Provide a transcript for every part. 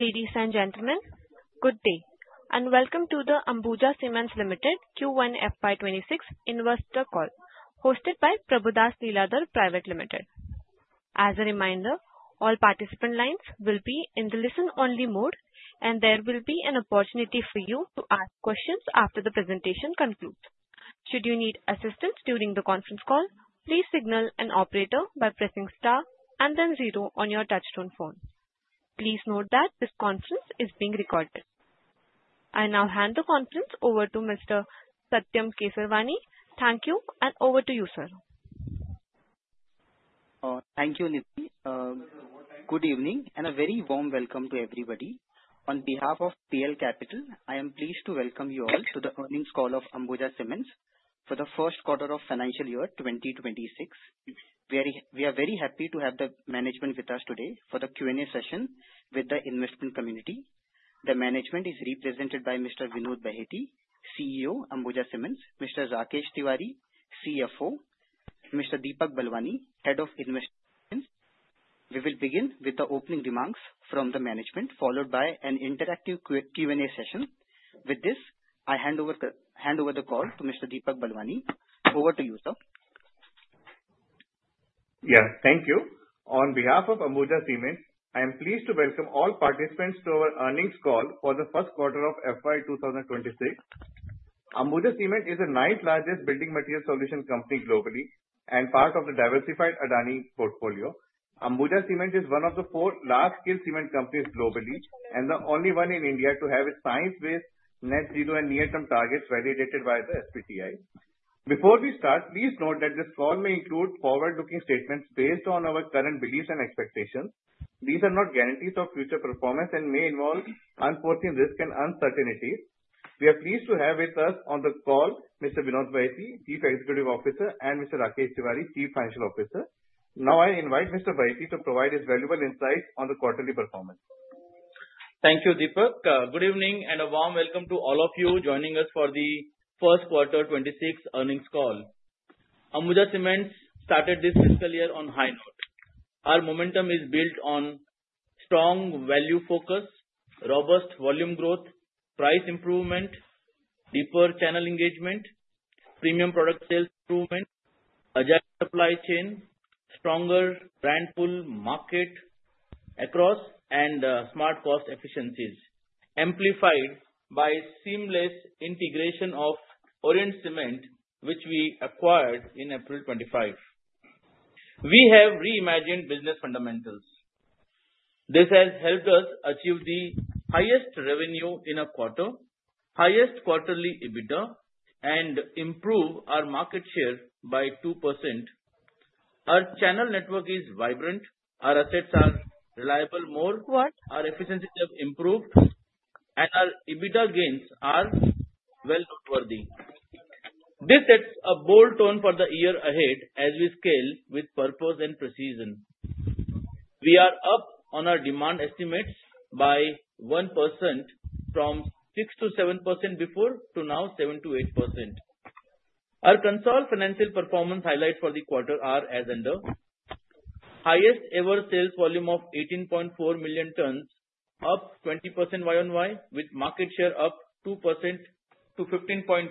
Ladies and gentlemen, good day and welcome to the Ambuja Cements Limited Q1 FY26 Investor Call hosted by Prabhudas Lilladher Private Limited. As a reminder, all participant lines will be in the listen-only mode and there will be an opportunity for you to ask questions after the presentation concludes. Should you need assistance during the conference call, please signal an operator by pressing star and then zero on your touchtone phone. Please note that this conference is being recorded. I now hand the conference over to Mr. Satyam Kesarwani. Thank you. Over to you, sir. Thank you, Nidhi. Good evening and a very warm welcome to everybody. On behalf of PL Capital, I am pleased to welcome you all to the earnings call of Ambuja Cements for the first quarter of financial year 2026. We are very happy to have the management with us today for the Q and A session with the investment community. The management is represented by Mr. Vinod Bahety, CEO Ambuja Cements, Mr. Rakesh Tiwari, CFO, Mr. Deepak Balwani, Head of Investment. We will begin with the opening remarks from the management, followed by an interactive Q and A session. With this, I hand over the call to Mr. Deepak Balwani. Over to you, sir. Thank you. On behalf of Ambuja Cements, I am. Pleased to welcome all participants to our earnings call for the first quarter of FY 2026. Ambuja Cements is the 9th largest building material solution company globally and part of the diversified Adani portfolio. Ambuja Cements is one of the four large scale cement companies globally and the only one in India to have its science based net zero and near term targets validated by the SBTi. Before we start, please note this call may include forward-looking statements based on our current beliefs and expectations. These are not guarantees of future performance and may involve unforeseen risk and uncertainty. We are pleased to have with us on the call Mr. Vinod Bahety, Chief Executive Officer, and Mr. Rakesh Tiwari, Chief Financial Officer. Now I invite Mr. Bahety to provide his valuable insights on the quarterly performance. Thank you, Deepak. Good evening and a warm welcome to all of you joining us for the first quarter FY26 earnings call. Ambuja Cements started this fiscal year on a high note. Our momentum is built on strong value focus, robust volume growth, price improvement, deeper channel engagement, premium product sales improvement, adjusted supply chain, stronger brand pull, market access, and smart cost efficiencies amplified by seamless integration of Orient Cement, which we acquired in April 2025. We have reimagined business fundamentals. This has helped us achieve the highest revenue in a quarter, highest quarterly EBITDA, and improve our market share by 2%. Our channel network is vibrant, our assets are reliable, our efficiencies have improved, and our EBITDA gains are noteworthy. This sets a bold tone for the year ahead as we scale with purpose and precision. We are up on our demand estimates by 1% from 6 to 7% before to now 7 to 8%. Our consolidated financial performance highlights for the quarter are as under: highest ever sales volume of 18.4 million tonnes, up 20% YoY, with market share up 2%-15.5%.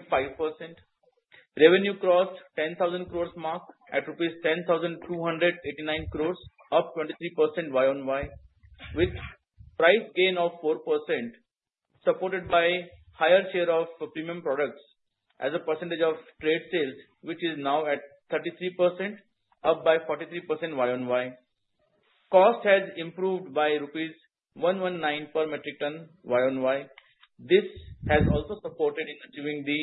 Revenue crossed the 10,000 crore mark at rupees 10,289 crore, up 23% YoY, with price gain of 4% supported by higher share of premium products as a percentage of trade sales, which is now at 33%, up by 43% YoY. Cost has improved by 119 rupees per metric ton YoY. This has also supported in achieving the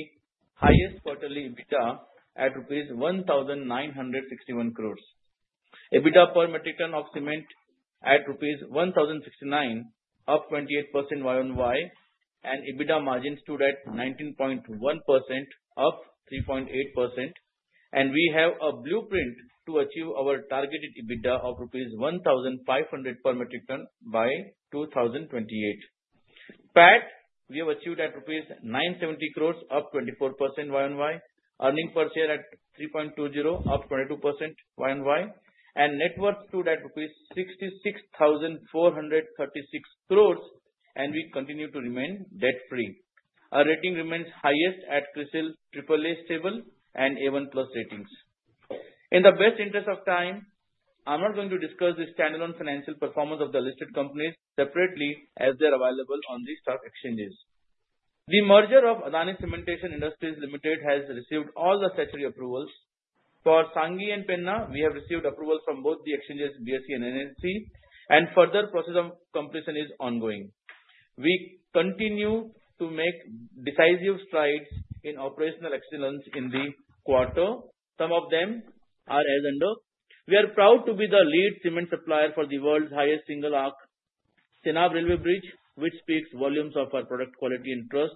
highest quarterly EBITDA at rupees 1,961 crore. EBITDA per metric ton of cement at rupees 1,069, up 28% YoY, and EBITDA margin stood at 19.1%, up 3.8%, and we have a blueprint to achieve our targeted EBITDA of 1,500 rupees per metric ton by 2028. PAT we have achieved at 970 crore rupees, up 24% YoY, earning per share at 3.20, up 22% YoY, and net worth stood at rupees 66,436 crore, and we continue to remain debt free. Our rating remains highest at CRISIL, AAA stable and A1 ratings. In the best interest of time, I am not going to discuss the standalone financial performance of the listed companies separately as they are available on the stock exchanges. The merger of Adani Cementation Industries Limited has received all the statutory approvals for Sanghi and Penna. We have received approval from both the exchanges, BSE and NSE, and further process of completion is ongoing. We continue to make decisive strides in operational excellence in the quarter. Some of them are as, and we are proud to be the lead cement supplier for the world's highest single-arch Chenab Railway Bridge, which speaks volumes of our product quality and trust.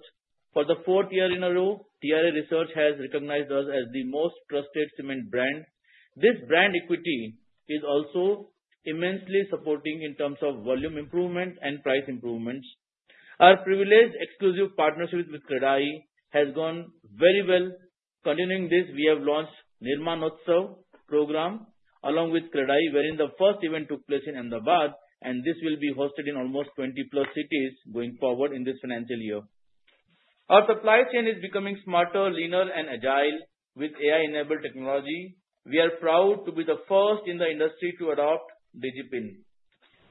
For the fourth year in a row, TRA Research has recognized us as the most trusted cement brand. This brand equity is also immensely supporting in terms of volume improvement and price improvements. Our privileged exclusive partnership with CREDAI has gone very well. Continuing this, we have launched Nirmanotsav program along with CREDAI, wherein the first event took place in Ahmedabad, and this will be hosted in almost 20+ cities going forward in this financial year. Our supply chain is becoming smarter, leaner, and agile with AI-enabled technology. We are proud to be the first in the industry to adopt DIGIPIN.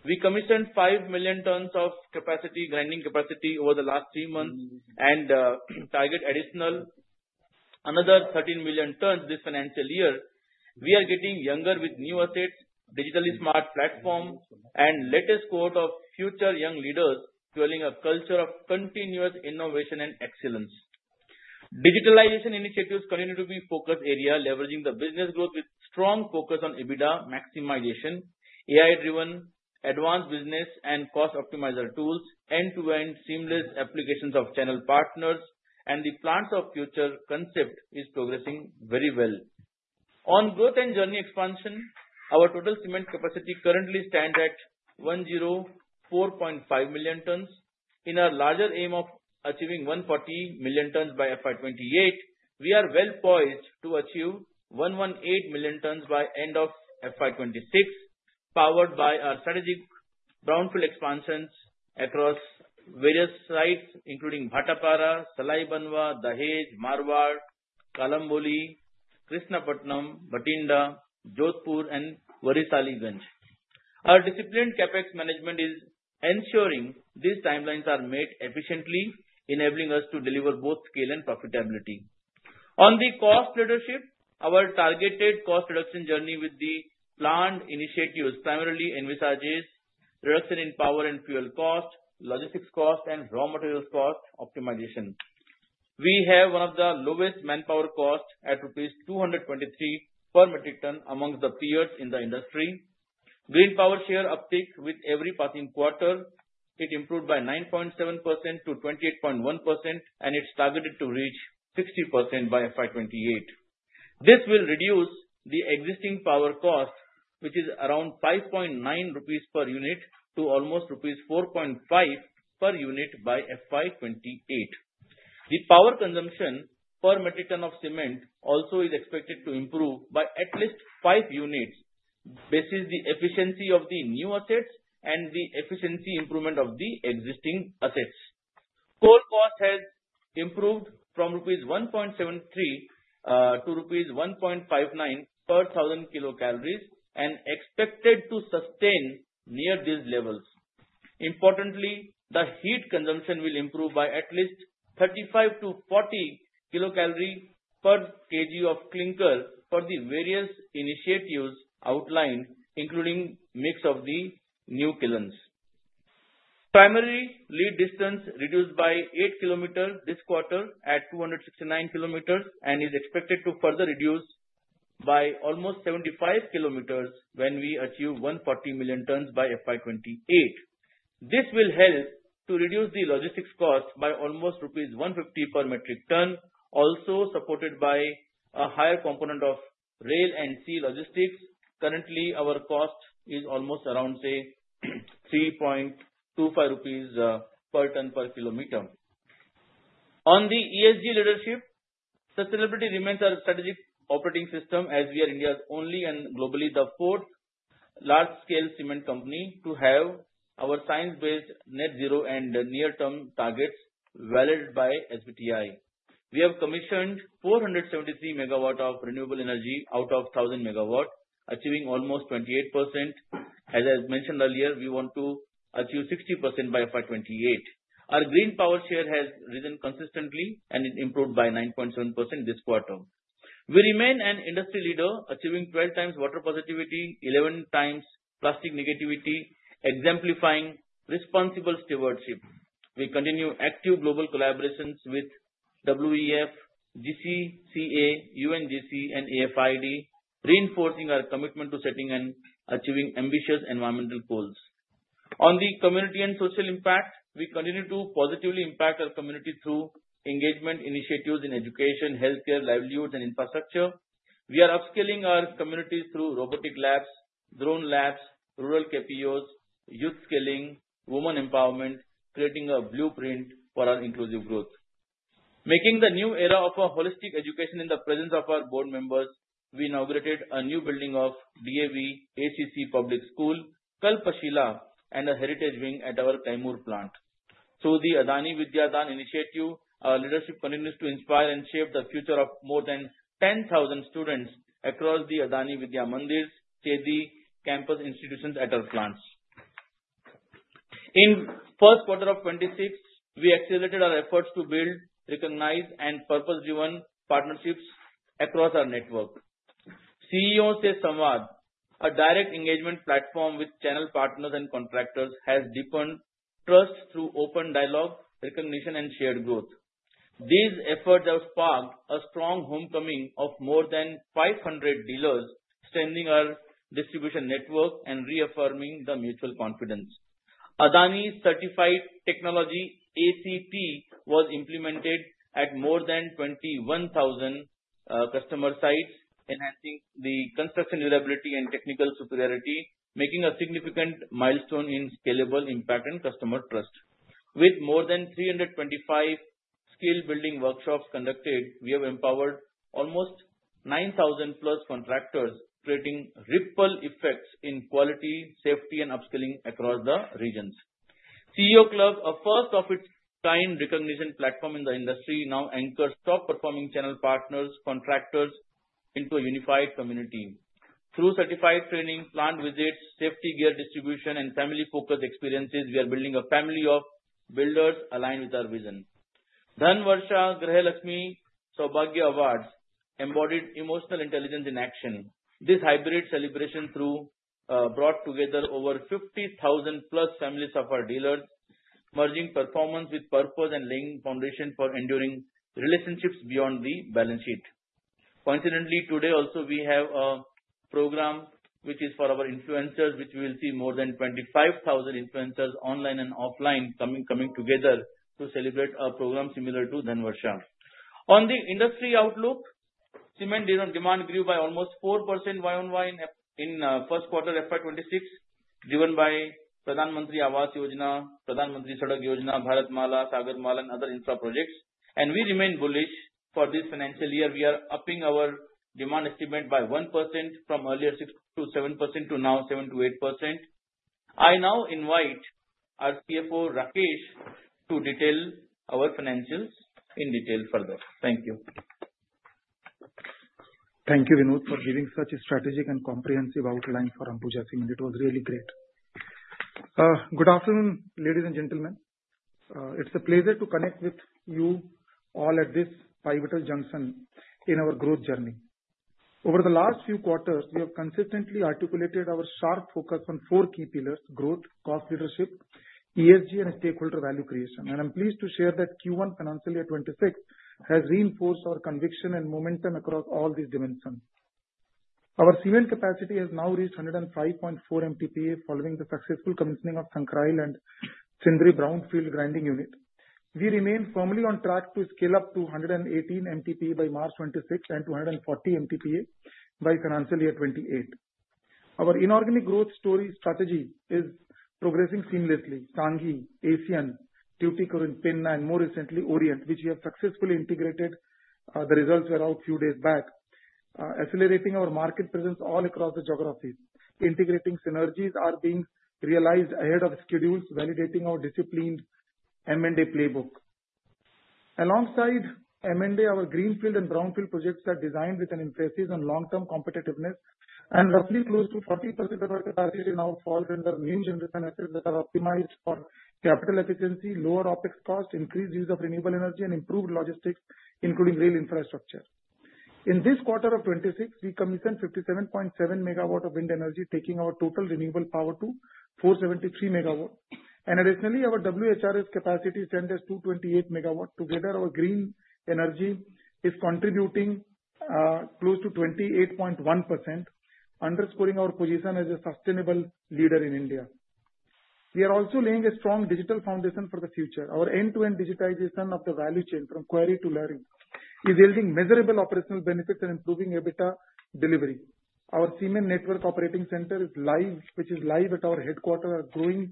We commissioned five million tonnes of grinding capacity over the last three months and target an additional 13 million tonnes this financial year. We are getting younger with new assets, digitally smart platform, and latest quote of few future young leaders building a culture of continuous innovation and excellence. Digitalization initiatives continue to be a focused area leveraging the business growth with strong focus on EBITDA maximization, AI-driven advanced business and cost optimizer tools. End-to-end seamless applications of channel partners and the plants of future concept is progressing very well on growth and journey expansion. Our total cement capacity currently stands at 104.5 million tonnes. In our larger aim of achieving 140 million tonnes by FY28, we are well poised to achieve 118 million tonnes by end of FY26, powered by our strategic brownfield expansions across various sites including Bhattapara, Salai, Banwa, Dahej, Marwar, Kalamboli, Krishnapatnam, Batinda, Jodhpur, and Varisali Ganj. Our disciplined CapEx management is ensuring these timelines are met efficiently, enabling us to deliver both scale and profitability on the cost leadership. Our targeted cost reduction journey with the planned initiatives primarily envisages reduction in power and fuel cost, logistics cost, and raw materials cost optimization. We have one of the lowest manpower costs at rupees 223 per metric tonne amongst the peers in the industry. Green power share uptick with every passing quarter, it improved by 9.7%-28.1%, and it's targeted to reach 60% by FY28. This will reduce the existing power cost, which is around 5.9 rupees per unit, to almost rupees 4.5 per unit by FY28. The power consumption per metric ton of cement also is expected to improve by at least 5 units based on the efficiency of the new assets and the efficiency improvement of the existing assets. Coal cost has improved from rupees 1.73 to rupees 1.59 per 1,000 Kcal and is expected to sustain near these levels. Importantly, the heat consumption will improve by at least 35 to 40 kilocalories per kg of clinker for the various initiatives outlined, including the mix of the new kilns. Primary lead distance reduced by eight km this quarter at 269 km and is expected to further reduce by almost 75 km when we achieve 140 million tons by FY28. This will help to reduce the logistics cost by almost rupees 150 per metric ton, also supported by a higher component of rail and sea logistics. Currently, our cost is almost around, say, 3.25 rupees per ton per km. On the ESG leadership, sustainability remains our strategic operating system as we are India's only and globally the fourth large-scale cement company to have our science-based net zero and near-term targets validated by SBTi. We have commissioned 473 megawatt of renewable energy out of 1,000 megawatt, achieving almost 28%. As I mentioned earlier, we want to achieve 60% by FY28. Our Green Power Share has risen consistently and improved by 9.7% this quarter. We remain an industry leader, achieving 12 times Water Positivity, 11 times Plastic Negativity, exemplifying responsible stewardship. We continue active global `` collaborations with WEF, GCCA, UNGC, and AFID, reinforcing our commitment to setting and achieving ambitious environmental goals. On the community and social impact, we continue to positively impact our community through engagement initiatives in education, healthcare, livelihoods, and infrastructure. We are upscaling our communities through robotic labs, drone labs, rural KPOs, youth skilling, women empowerment, creating a blueprint for our inclusive growth, making the new era of a holistic education. In the presence of our board members, we inaugurated a new building of DAV, HEC Public School Kalpashila, and a Heritage Wing at our Kaimur plant. Through the Adani Vidyadhan Initiative, our leadership continues to inspire and shape the future of more than 10,000 students across the Adani Vidya Mandir Chedi campus institutions at our plants. In Q1 FY26 we accelerated our efforts to build recognized and purpose-driven partnerships across our network, CEO Samvad. A direct engagement platform with channel partners and contractors has deepened trust through open dialogue, recognition, and shared growth. These efforts have sparked a strong homecoming of more than 500 dealers, strengthening our distribution network and reaffirming the mutual confidence. Adani Certified Technology Act was implemented at more than 21,000 customer sites, enhancing the construction, durability, and technical superiority, making a significant milestone in scalable impact and customer trust. With more than 325 skill-building workshops conducted, we have empowered almost 9,000 plus contractors, creating ripple effects in quality, safety, and upskilling across the regions. CEO Club, a first-of-its-kind recognition platform in the industry, now anchors top-performing channel partners and contractors into a unified community. Through certified training, plant visits, safety gear distribution, and family-focused experiences, we are building a family of builders aligned with our vision. Dhan Varsha Grahan Akshay Sabhagya Awards embodied emotional intelligence in action. This hybrid celebration brought together over 50,000 plus families of our dealers, merging performance with purpose and laying foundation for enduring relationships beyond the balance sheet. Coincidentally, today also we have a program which is for our influencers, which we will see more than 25,000 influencers online and offline coming together to celebrate a program similar to Dhan Varsha. On the industry outlook, cement demand grew by almost 4% YoY in the first quarter FY26, driven by Pradhan Mantri Awas Yojana, Pradhan Mantri Sadak Yojana, Bharatmala, Sagarmala, and other infra projects, and we remain bullish for this financial year. We are upping our demand estimate by 1% from earlier 6 to 7% to now 7 to 8%. I now invite our CFO Rakesh to detail our financials in detail further. Thank you. Thank you, Vinod, for giving such a strategic and comprehensive outline for Ambuja Cements. It was really great. Good afternoon ladies and gentlemen. It's a pleasure to connect with you all at this pivotal junction in our growth journey. Over the last few quarters we have consistently articulated our sharp focus on four key pillars: growth, cost leadership, ESG, and stakeholder value creation. I'm pleased to share that Q1 financial year 2026 has reinforced our conviction and momentum across all these dimensions. Our cement capacity has now reached 105.4 MTPA following the successful commissioning of Sankrail and Chindri brownfield grinding unit. We remain firmly on track to scale up to 118 MTPA by March 2026 and 240 MTPA by financial year 2028. Our inorganic growth strategy is progressing seamlessly. Sanghi, Asian, Tuticorin, Penna, and more recently Orient, which we have successfully integrated. The results were out a few days back, accelerating our market presence. All across the geographies, integrating synergies are being realized ahead of schedules, validating our disciplined M&A playbook. Alongside M&A, our greenfield and brownfield projects are designed with an emphasis on long-term competitiveness, and roughly close to 40% of our capacity now falls under new generation assets that are optimized. For capital efficiency, lower OPEX cost, increased use of renewable energy, and improved logistics including rail infrastructure. In this quarter of 2026, we commissioned 57.7 megawatt of wind energy, taking our total renewable power to 473 megawatt. Additionally, our WHRS capacity stands at 228 megawatt. Together, our green energy is contributing close to 28.1%. Underscoring our position as a sustainable leader in India, we are also laying a strong digital foundation for the future. Our end-to-end digitization of the value chain from query to learning is yielding measurable operational benefits and improving EBITDA delivery. Our Siemens Network Operating Center is live at our headquarters, growing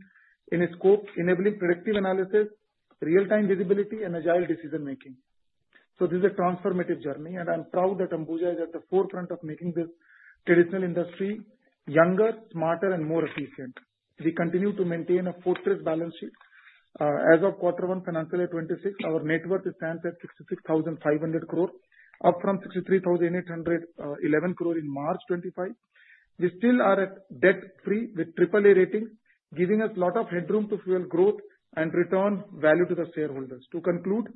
in scope, enabling predictive analysis, real-time visibility, and agile decision making. This is a transformative journey, and I'm proud that Ambuja is at the forefront of making this traditional industry younger, smarter and more efficient. We continue to maintain a fortress balance sheet. As of Q1 FY26, our net worth stands at 66,500 crore, up from 63,811 crore in March 2025. We still are debt free with AAA ratings, giving us a lot of headroom to fuel growth and return value to the shareholders. To conclude,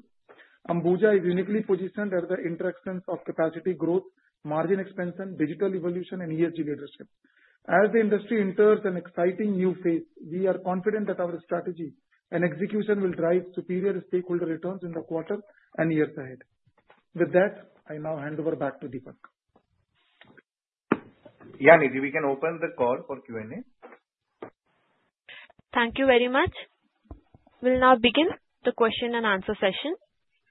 ACC is uniquely positioned at the intersections of capacity growth, margin expansion, digital evolution, and ESG leadership. As the industry enters an exciting new phase, we are confident that our strategy and execution will drive superior stakeholder returns in the quarter and years ahead. With that, I now hand over back to Deepak. Yeah, Nidhi, we can open the call for Q&A. Thank you very much. We'll now begin the question and answer session.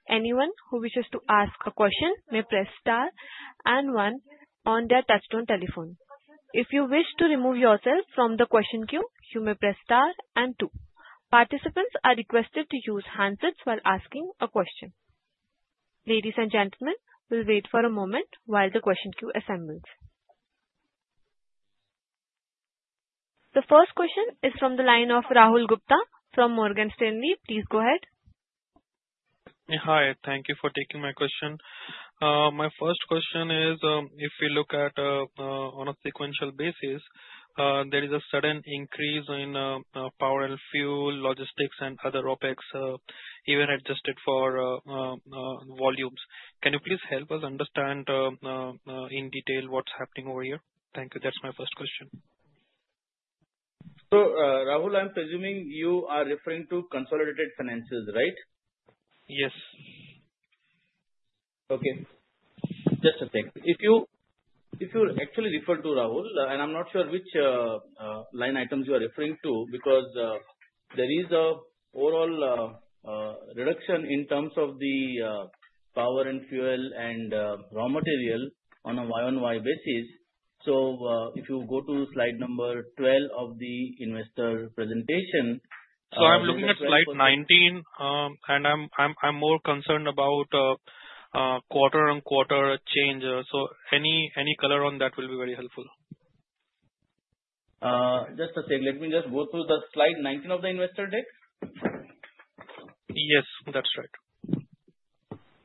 Anyone who wishes to ask a question may press star and 1 on their touch-tone telephone. If you wish to remove yourself from the question queue, you may press star and 2. Participants are requested to use handsets while asking a question. Ladies and gentlemen, we'll wait for a moment while the question queue assembles. The first question is from the line of Rahul Gupta from Morgan Stanley. Please go ahead. Hi. Thank you for taking my question. My first question is if we look at on a sequential basis, there is a sudden increase in power and fuel, logistics, and other op ex, even adjusted for volumes. Can you please help us understand in detail what's happening over here? Thank you. That's my first question. I'm presuming you are referring to consolidated finances, right? Yes. Okay, just a thing. If you actually refer to Rahul, I'm not sure which line items you are referring to because there is an overall reduction in terms of the power and fuel and raw material on a YoY basis. If you go to slide number 12 of the investor presentation, I'm— Looking at slide 19, I'm more concerned about quarter on quarter change. Any color on that will be very helpful. Just a second, let me go through slide 19 of the investor deck. Yes, that's right.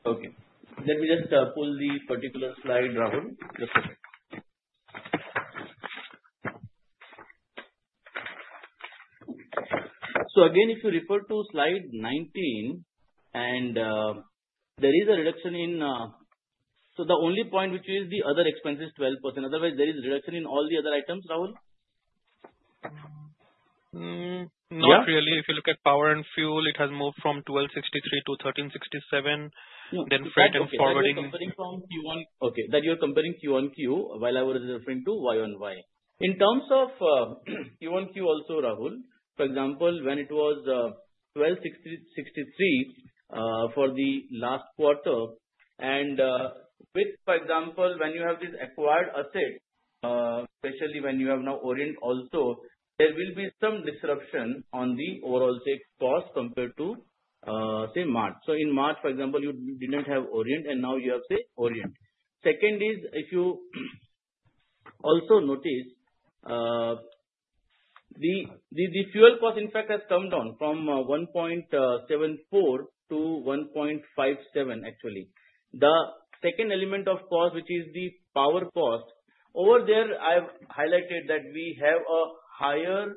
Let me pull the particular slide Rahul. If you refer to slide 19, there is a reduction in all the other items. The only point which is the other expense is 12%, otherwise there is reduction in all the other items. Rahul. Not really. If you look at power and fuel, it has moved from 1,263 to 1,367. Freight and forwarding. Okay, you're comparing Q1Q while I was referring to YoY. In terms of Q1Q also, Rahul, for example, when it was 1,260 for the last quarter and with, for example, when you have this acquired asset, especially when you have now Orient, also there will be some disruption on the overall cost compared to, say, March. In March, for example, you didn't have Orient and now you have, say, Orient. Second is if you also notice the fuel cost in fact has come down from 1.74-1.57. Actually, the second element of cost, which is the power cost, over there I have highlighted that we have a higher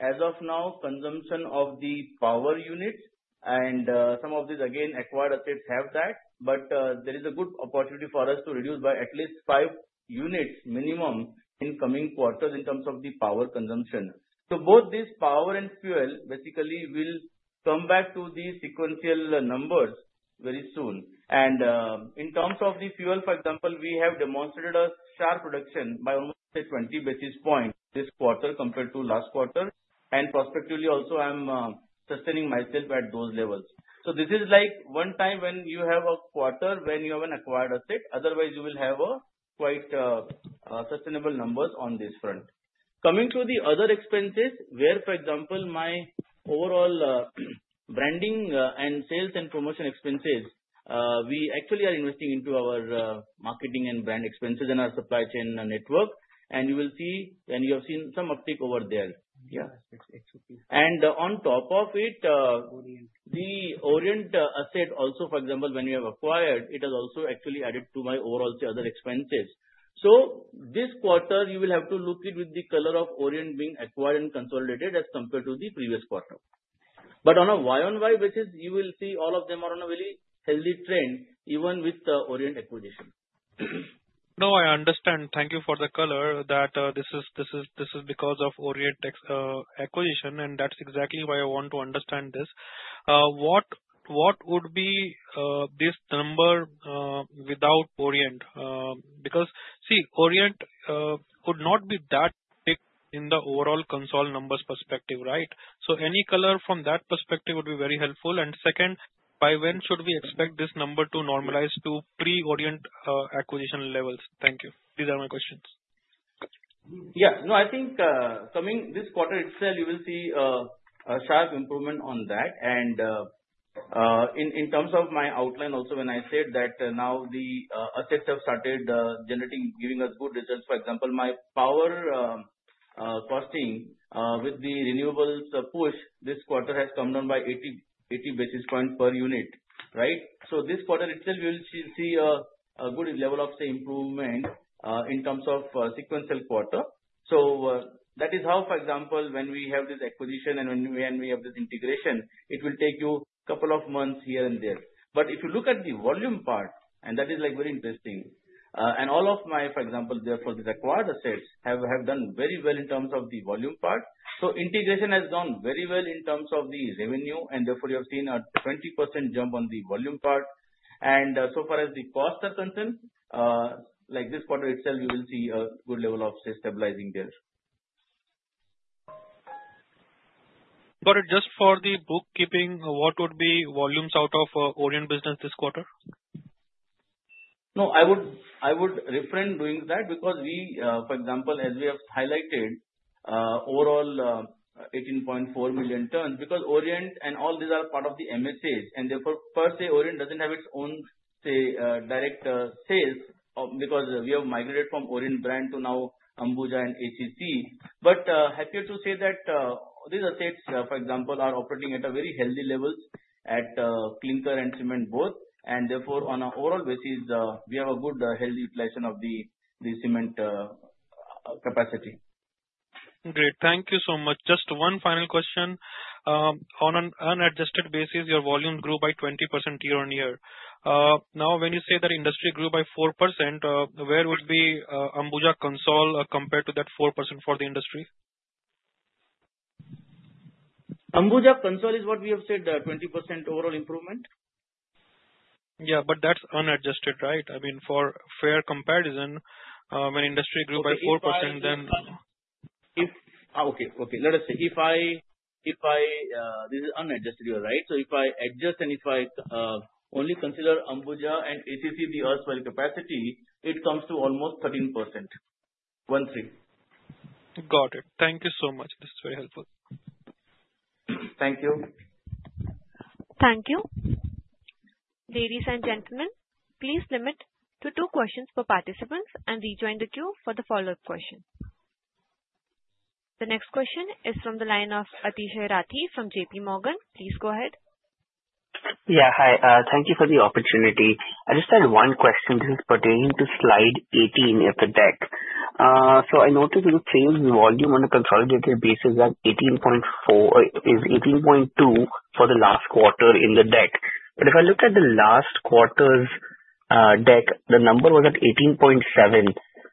as of now consumption of the power units and some of these again acquired assets have that. There is a good opportunity for us to reduce by at least five units minimum in coming quarters in terms of the power consumption. Both this power and fuel basically will come back to the sequential numbers very soon. In terms of the fuel, for example, we have demonstrated a star production by almost 20 basis points this quarter compared to last quarter. Prospectively also, I'm sustaining myself at those levels. This is like one time when you have a quarter when you have an acquired asset. Otherwise, you will have quite sustainable numbers on this front. Coming to the other expenses, where for example my overall branding and sales and promotion expenses, we actually are investing into our marketing and brand expenses and our supply chain network, and you will see and you have seen some uptick over there. On top of it, the Orient asset also, for example, when we have acquired, it has also actually added to my overall other expenses. This quarter you will have to look at with the color of Orient being acquired and consolidated as compared to the previous quarter. On a YoY basis, you will see all of them are on a really healthy trend even with Orient acquisition. Now, I understand. Thank you for the color that this is because of Orient acquisition. That's exactly why I want to understand this. What would be this number without Orient? Because, see, Orient could not be that thick in the overall console numbers perspective. Right. Any color from that perspective would be very helpful. Second, by when should we expect this number to normalize to pre-Orient acquisition levels? Thank you. These are my questions. Yeah, no, I think coming this quarter itself you will see a sharp improvement on that. In terms of my outline also when I said that now the assets have started generating, giving us good results. For example, my power costing with the renewables push this quarter has come down by 80 basis points per unit. Right. This quarter itself you will see a good level of, say, improvement in terms of sequential quarter. That is how, for example, when we have this acquisition and when we have this integration, it will take you a couple of months here and there. If you look at the volume part, that is very interesting, and all of my, for example, therefore these acquired assets have done very well in terms of the volume part. Integration has gone very well in terms of the revenue, and therefore you have seen a 20% jump on the volume part. So far as the costs are concerned, like this quarter itself, you will see a good level of stabilizing there. Got it. Just for the bookkeeping, what would be volumes out of Orient business this quarter? No, I would refrain from doing that because we, for example, as we have highlighted, overall 18.4 million tons because Orient and all these are part of the MSAs. Therefore, per se, Orient doesn't have its own direct sales because we have migrated from Orient brand to now Ambuja and ACC. Happy to say that these assets, for example, are operating at very healthy levels at Clinker and Cement both. Therefore, on an overall basis, we have a good healthy utilization of the cement capacity. Great, thank you so much. Just one final question. On an unadjusted basis, your volume grew by 20% year on year. Now when you say that industry grew by 4%, where would ACC Consol compared to that 4% for the industry? ACC concern is what we have said, 20% overall improvement. Yeah, but that's unadjusted, right? I mean, for fair comparison, when industry grew by 4%. If I adjust and if I only consider Ambuja and ACC, the earthwell capacity comes to almost 13%. Got it. Thank you so much. This is very helpful. Thank you. Thank you. Ladies and gentlemen, please limit to two questions for participants and rejoin the queue for the follow-up question. The next question is from the line of Atishy Rathi from J.P. Morgan. Please go ahead. Yeah, hi. Thank you for the opportunity. I just had one question. This is pertaining to slide 18 of the deck. I noticed that the sales volume on a consolidated basis at 18.4 is 18.2 for the last quarter in the deck. If I look at the last quarter's deck, the number was at 18.7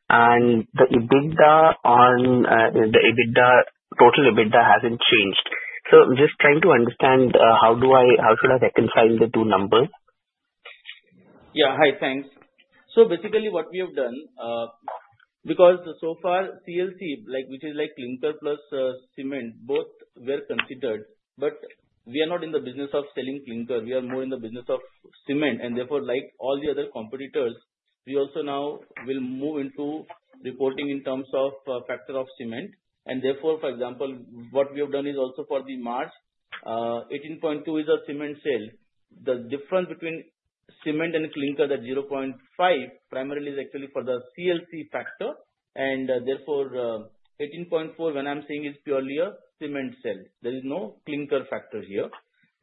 and the EBITDA, the total EBITDA, hasn't changed. I'm just trying to understand how do I, how should I reconcile the two numbers? Yeah, hi. Thanks. What we have done because so far CLC, which is like clinker plus cement, both were considered, but we are not in the business of selling clinker. We are more in the business of cement, and therefore, like all the other competitors, we also now will move into reporting in terms of factor of cement. For example, what we have done is also for the March 18.2 is a cement sale. The difference between cement and clinker, that 0.5, primarily is actually for the CLC factor, and therefore 18.4, when I'm saying, is purely a cement sale. There is no clinker factor here.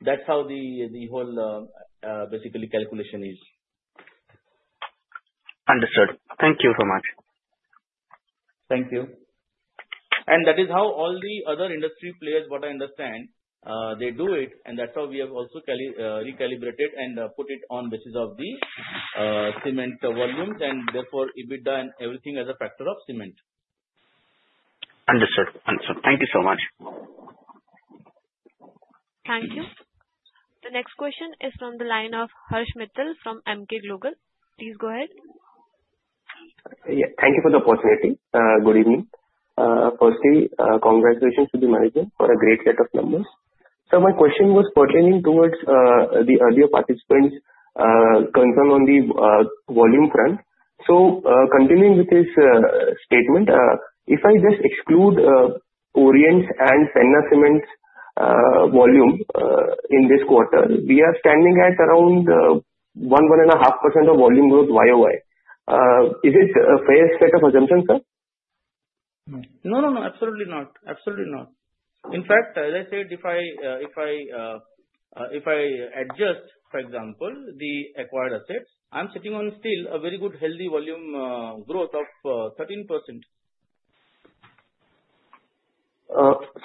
That's how the whole calculation is. Understood. Thank you so much. Thank you. That is how all the other industry players, what I understand, they do it, and that's how we have also recalibrated and put it on basis of the cement volumes, and therefore EBITDA and everything as a factor of cement. Understood. Thank you so much. Thank you. The next question is from the line of Harsh Mittal from Emkay Global. Please go ahead. Thank you for the opportunity. Good evening. Firstly, congratulations to the management for a great set of numbers. Sir, my question was pertaining towards the earlier participant's concern on the volume front. Continuing with his statement, if I just exclude Orient's and ACC cement volume in this quarter, we are standing at around 11.5% of volume growth YoY. Is it a fair set of assumptions, sir? No, no, no. Absolutely not. Absolutely not. In fact, as I said, if I adjust, for example, the acquired assets, I am sitting on still a very good healthy volume growth of 13%.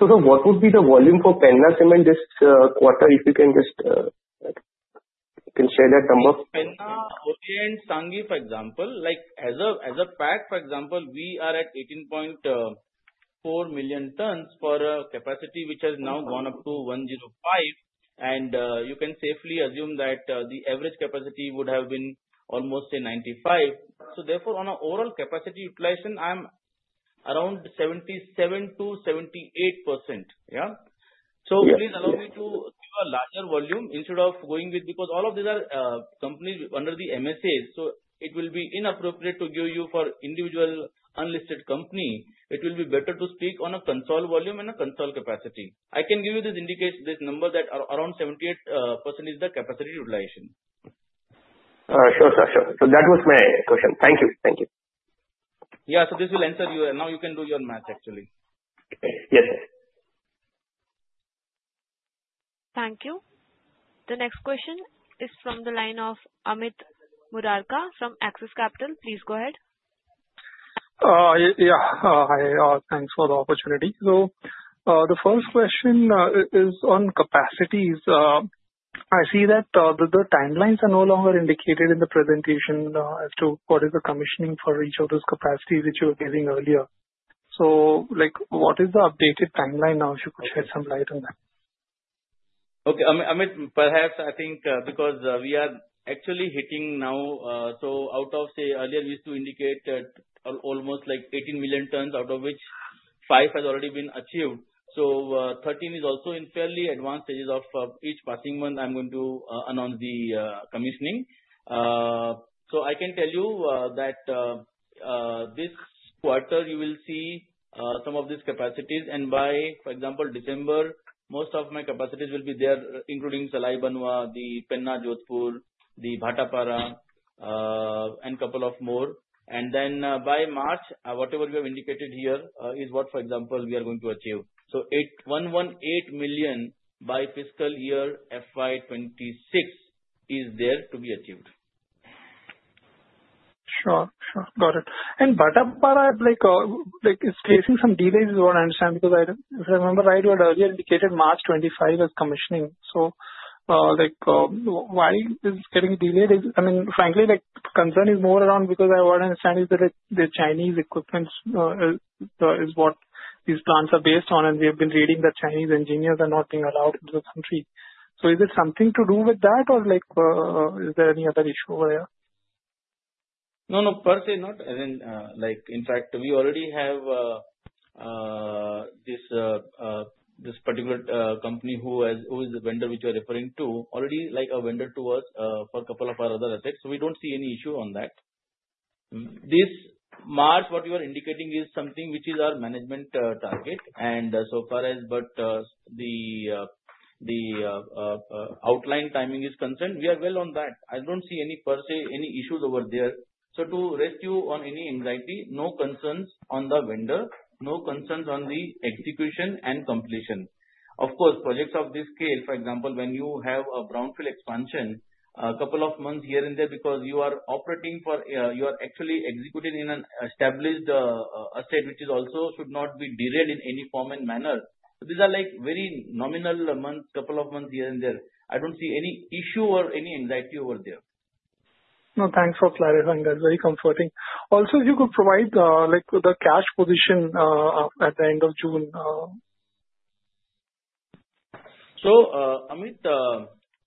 What would be the volume for Penna Cement this quarter, if you can just, you can share that number. For example, we are at 18.4 million tons for a capacity which has now gone up to 105, and you can safely assume that the average capacity would have been almost 95. Therefore, on an overall capacity utilization, I am around 77%-78%. Yeah. Please allow me to a larger volume instead of going with. Because all of these are companies under the MSAs, it will be inappropriate to give you for individual unlisted company, it will be better to speak on a console volume and a console capacity. I can give you this indication, this number, that around 78% is the capacity utilization. Sure, sir. That was my question. Thank you. Thank you. Yeah, this will enter you now. You can do your math actually. Yes. Thank you. The next question is from the line of Amit Murarka from Axis Capital. Please go ahead. Yeah, thanks for the opportunity. The first question is on capacities. I see that the timelines are no longer indicated in the presentation as to what is the commissioning for each of those capacities which you were giving earlier. What is the updated timeline now, if you could shed some light on that? Okay. I mean, perhaps I think because we are actually hitting now, so out of say earlier we used to indicate almost like 18 million tons out of which 5 has already been achieved. 13 is also in fairly advanced stages of each passing month. I'm going to announce the commissioning, so I can tell you that this quarter you will see some of these capacities. For example, by December, most of my capacities will be there, including Salai Banwa, the Penna Jodhpur, the Bhattapara, and a couple of more. By March, whatever we have indicated here is what, for example, we are going to achieve. 118 million by fiscal year FY26 is there to be achieved. Sure, sure, got it. It's facing some delays. What I understand, because I remember right, what earlier indicated March 25 as commissioning. Why is it getting delayed? I mean, frankly, the concern is more. I want to understand this. The Chinese equipment is what these plants are based on. We have been reading that Chinese engineers are not being allowed into the country. Is it something to do with that? Is there any other issue over here? No, not like, in fact we already have this, this particular company. Who is the vendor which you are referring to already like a vendor to us for a couple of our other assets. We don't see any issue on that. This March, what you are indicating is something which is our management target, and as far as the outline timing is concerned, we are well on that. I don't see any issues over there. To rescue any anxiety, no concerns on the vendor, no concerns on the execution and completion of course projects of this scale. For example, when you have a brownfield expansion, a couple of months here and there because you are operating, you are actually executing in an established asset, which also should not be derailed in any form and manner. These are very nominal months, a couple of months here and there. I don't see any issue or any anxiety over there. No, thanks for clarifying, that's very comforting. Also, you could provide like the cash position at the end of June. Amit,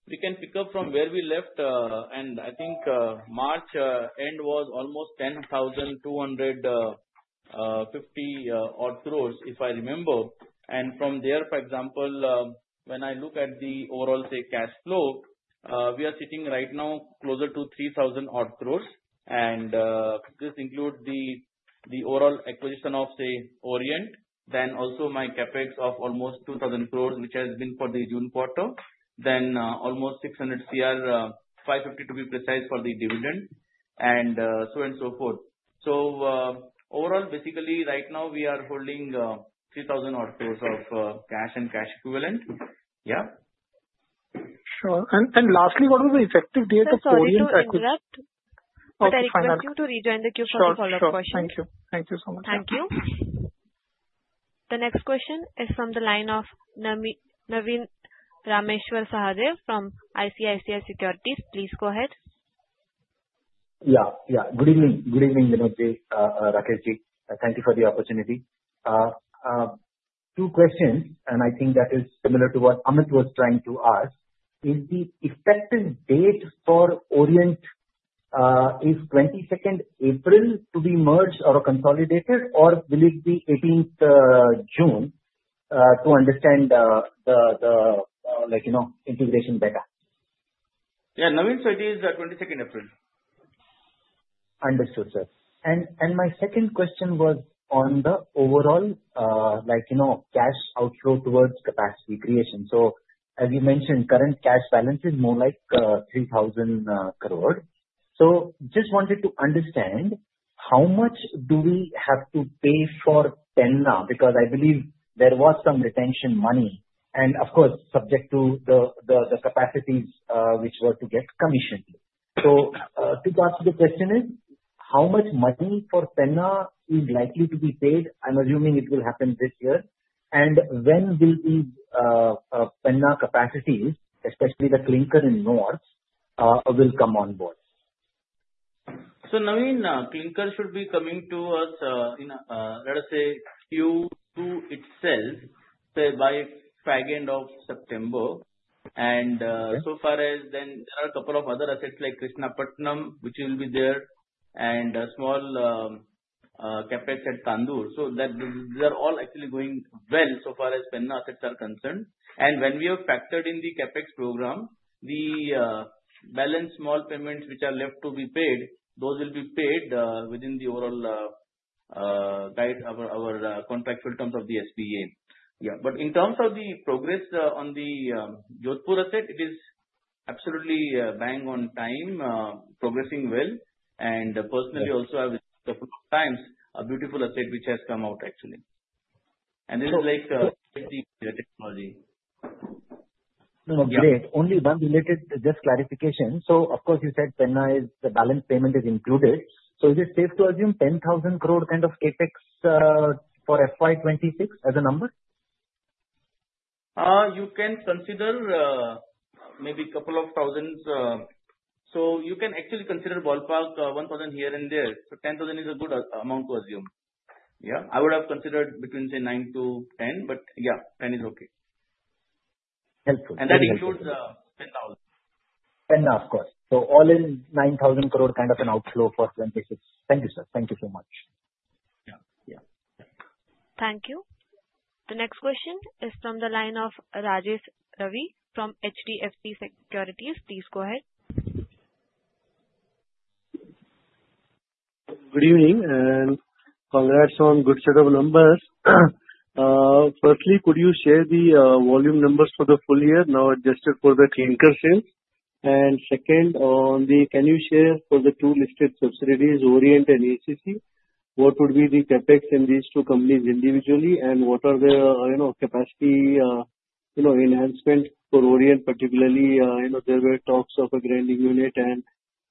we can pick up from where we left, and I think March end was almost 10,250 crore if I remember. From there, for example, when I look at the overall cash flow, we are sitting right now closer to 3,000 crore. This includes the overall acquisition of, say, Orient, then also my CapEx of almost 2,000 crore, which has been for the June quarter, then almost 600 crore—550 to be precise—for the dividend, and so on and so forth. Overall, basically right now we are holding 3,000 crore of cash and cash equivalent. Sure. Lastly, what was the effective date of podium? To rejoin the queue for the follow-up question. Thank you. Thank you so much. Thank you. The next question is from the line of Navin Rameshwar Sahadeo from ICICI Securities. Please go ahead. Yeah, yeah. Good evening. Good evening. Vinod, Rakesh, thank you for the opportunity. Two questions, and I think that is similar to what Amit was trying to ask. Is the effective date for Orient 22 April to be merged or consolidated, or will it be 18 June to understand the, like, you know, integration better? Yeah, Navin, it is the 22nd of April. Understood, sir. My second question was on the overall, like, you know, cash outflow towards capacity creation. As you mentioned, current cash balance is more like 3,000 crore. I just wanted to understand how much do we have to pay for Penna because I believe there was some retention money and, of course, subject to the capacities which were to get commissioned. To go to the question is. How much money for Penna is likely to be paid? I'm assuming it will happen this year, and when will these Penna capacities, especially the clinker in North, come on board? Navin. Clinker should be coming to us in, let us say, Q2 itself by the fag end of September. There are a couple of other assets like Krishnapatnam, which will be there, and small CapEx at Tandoor, so they are all actually going well so far as Penna assets are concerned. When we have factored in the CapEx program, the balance small payments which are left to be paid will be paid within our overall contractual terms of the SPA. In terms of the progress on the Jodhpur asset, it is absolutely bang on time, progressing well, and personally also I will say it's a beautiful asset. Which has come out actually, and this is like. Only one related, just clarification. Of course, you said Penna is the balance payment is included. Is it safe to assume 10,000 crore kind of CapEx for FY2026 as a number? You can consider maybe a couple of thousands. You can actually consider ballpark 1,000 here and there. 10,000 is a good amount to assume. I would have considered between say 9 to 10, but 10 is okay and that includes 10, of course. All in, 9,000 crore kind of an outflow for FY26. Thank you, sir. Thank you so much. Thank you. The next question is from the line of Rajesh Ravi from HDFC Securities. Please go ahead. Good evening and congrats on good set of numbers. Firstly, could you share the volume numbers for the full year now, adjusted for the clinker sales. Second, can you share for the two listed subsidiaries, Orient and ACC, what would be the CapEx in these two companies individually, and what are the capacity enhancements for Orient particularly, you know there were talks of a grinding unit.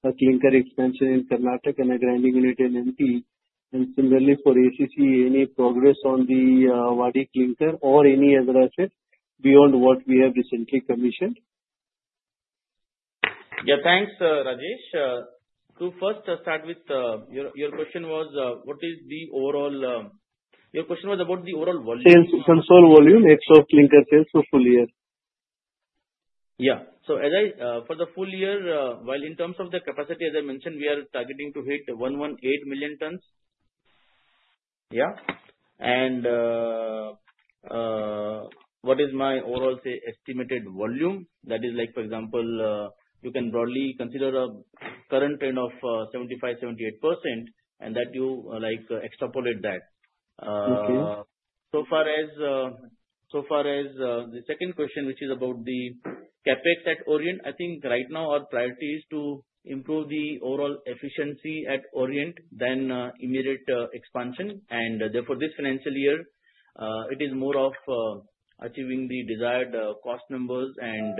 A clinker expansion in Karnataka and a grinding unit in Madhya Pradesh and similarly for ACC. Any progress on the Wadi Clinker? Any other asset beyond what we have recently commissioned? Yeah, thanks Rajesh. To first start with your question, your question was about the overall volume. Console volume, ex-ACC clinker sales for full year. Yeah, as I mentioned, for the full year in terms of the capacity, we are targeting to hit 118 million tons. What is my overall estimated volume? You can broadly consider a current trend of 75%-78% and extrapolate that. As far as the second question, which is about the CapEx at Orient, I think right now our priority is to improve the overall efficiency at Orient rather than immediate expansion. Therefore, this financial year it is more about achieving the desired cost numbers and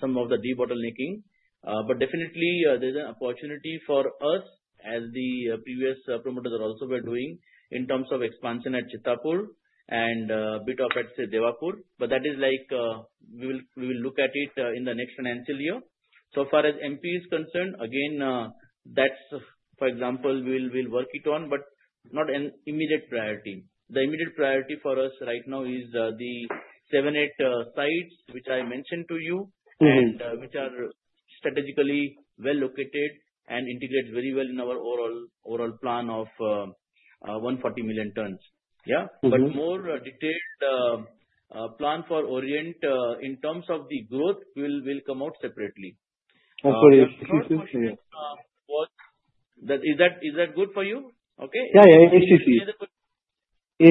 some of the debottlenecking. There is definitely an opportunity for us, as the previous promoters were also doing, in terms of expansion at Chitapur and a bit at Devapur. That is something we will look at in the next financial year. As far as MP is concerned, again, that's something we will work on, but it's not an immediate priority. The immediate priority for us right now is the seven or sites which I mentioned to you and which are strategically well located and integrate very well in our overall plan of 140 million tonnes. A more detailed plan for Orient in terms of the growth will come out separately. Is that good for you? Okay. Yeah, yeah. As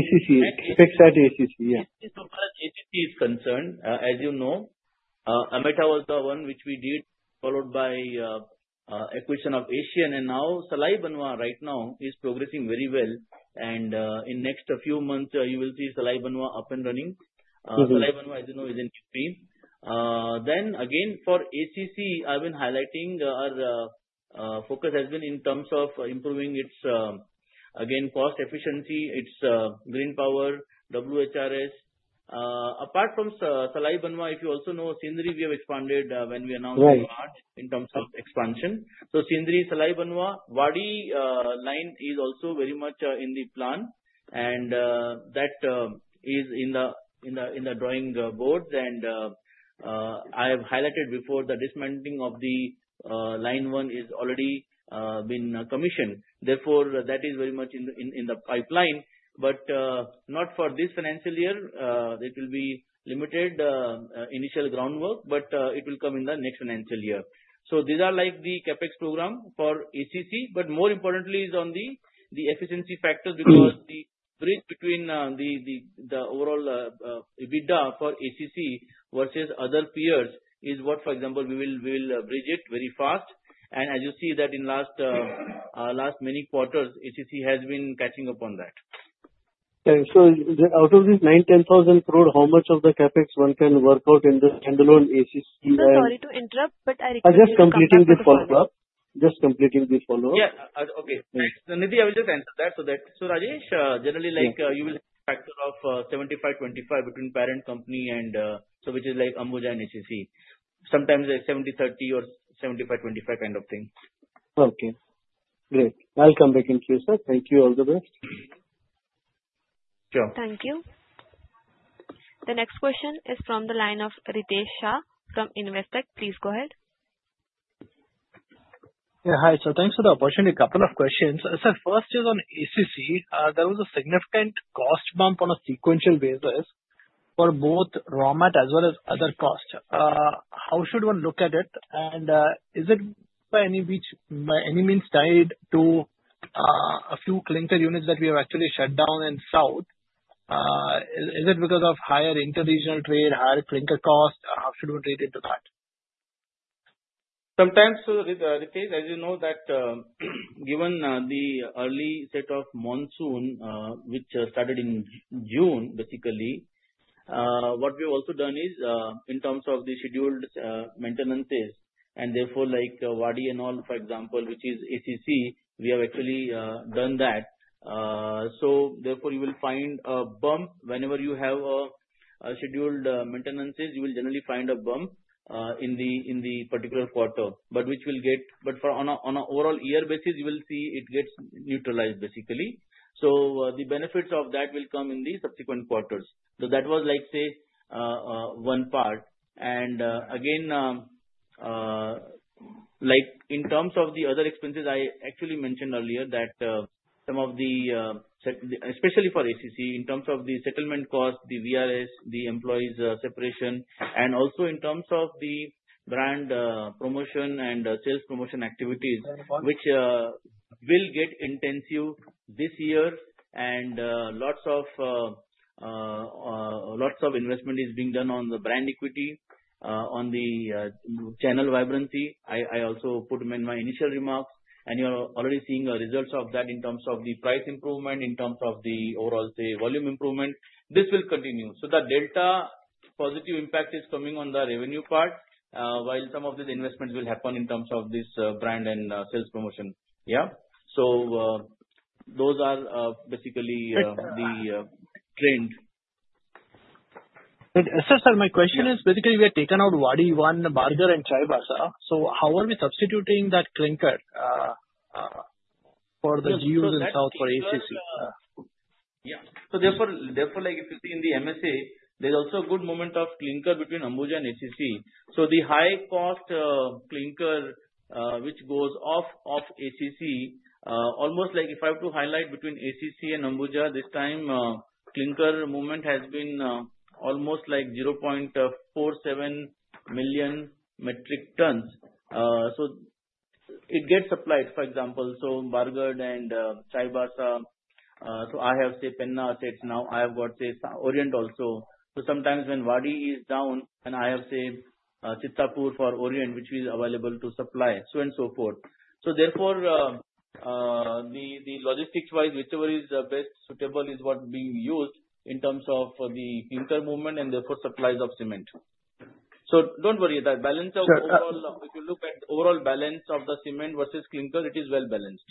far as ACC is concerned. As you know, Ametha was the one which we did, followed by acquisition of Asian, and now Salai Banwa. Right now, it is progressing very well. In the next few months, you will see Salai Banwa up and running. Salai Banwa, as you know, is in, then again for ACC, I've been highlighting our focus has been in terms of improving its, again, cost efficiency, its green power. Apart from Salai Banwa, if you also know Sindri, we have expanded when we announced in terms of expansion. Sindri Salai Banwa Wadi line is also very much in the plan and that is in the drawing boards. I have highlighted before the dismantling of the line one is already been commissioned. Therefore, that is very much in the pipeline but not for this financial year. It will be limited initial groundwork, but it will come in the next financial year. These are like the CapEx program for ACC, but more importantly is on the efficiency factor because the bridge between the overall EBITDA for ACC versus other peers is what, for example, we will bridge it very fast. As you see, in last many quarters ACC has been catching up on that. Out of this 9,000-10,000 crore. How much of the CapEx one can work out in the standalone ACC? Sorry to interrupt, but I'm just completing this follow up. Yeah. Okay, Nidhi, I will just answer that. Rajesh generally likes you will factor of 7,525 between parent company. Which is like ACC and HSE, sometimes a 70:30 or 75:25 kind of thing. Okay, great. I'll come back to you, sir. Thank you. All the best. Sure, thank you. The next question is from the line of Ritesh Shah from Investec. Please go ahead. Hi sir, thanks for the opportunity. Couple of questions, sir. First is on ACC. There was a significant cost bump on a sequential basis for both raw material as well as other cost. How should one look at it? Is it by any means tied to a few clinker units that we have actually shut down in South? Is it because of higher inter-regional? Trade, higher clinker cost? How should we treat it to that? Sometimes, as you know, given the early set of models, Monsoon which started in June, basically what we have also done is in terms of the scheduled maintenances and therefore like Wadi and all, for example, which is ACC, we have actually done that. Therefore, you will find a bump whenever you have scheduled maintenances. You will generally find a bump in the particular quarter, which will get, on an overall year basis, neutralized basically. The benefits of that will come in the subsequent quarters. That was one part. Again, in terms of the other expenses, I actually mentioned earlier that some of the, especially for ACC, in terms of the settlement cost, the VRS, the employee separation, and also in terms of the brand promotion and sales promotion activities, which will get intensive this year, and lots of investment is being done on the brand equity, on the channel vibrancy. I also put in my initial remarks, and you are already seeing the results of that. In terms of the price improvement, in terms of the overall volume improvement, this will continue. The delta positive impact is coming on the revenue part, while some of these investments will happen in terms of this brand and sales promotion. Yeah, those are basically the trend. Sir, my question is basically we have taken out Wadi I, Bargarh, and Chaibasa. How are we substituting that clinker? For the East and South for ACC. Yeah, therefore, if you see in the MSA, there is also good movement of clinker between Ambuja and ACC. The high cost clinker which goes off of ACC, almost like if I have to highlight between ACC and Ambuja, this time clinker movement has been almost 0.47 million metric tons. It gets applied, for example. I have, say, Penna assets. Now I have got, say, Orient also. Sometimes when Wadi is down and I have Sittapur for Orient which is available to supply, and so forth. Therefore, logistics-wise, whichever is best suitable is what is being used in terms of the clinker movement and therefore supplies of cement. Don't worry about that balance. If you look at overall balance of the cement versus clinker, it is well balanced.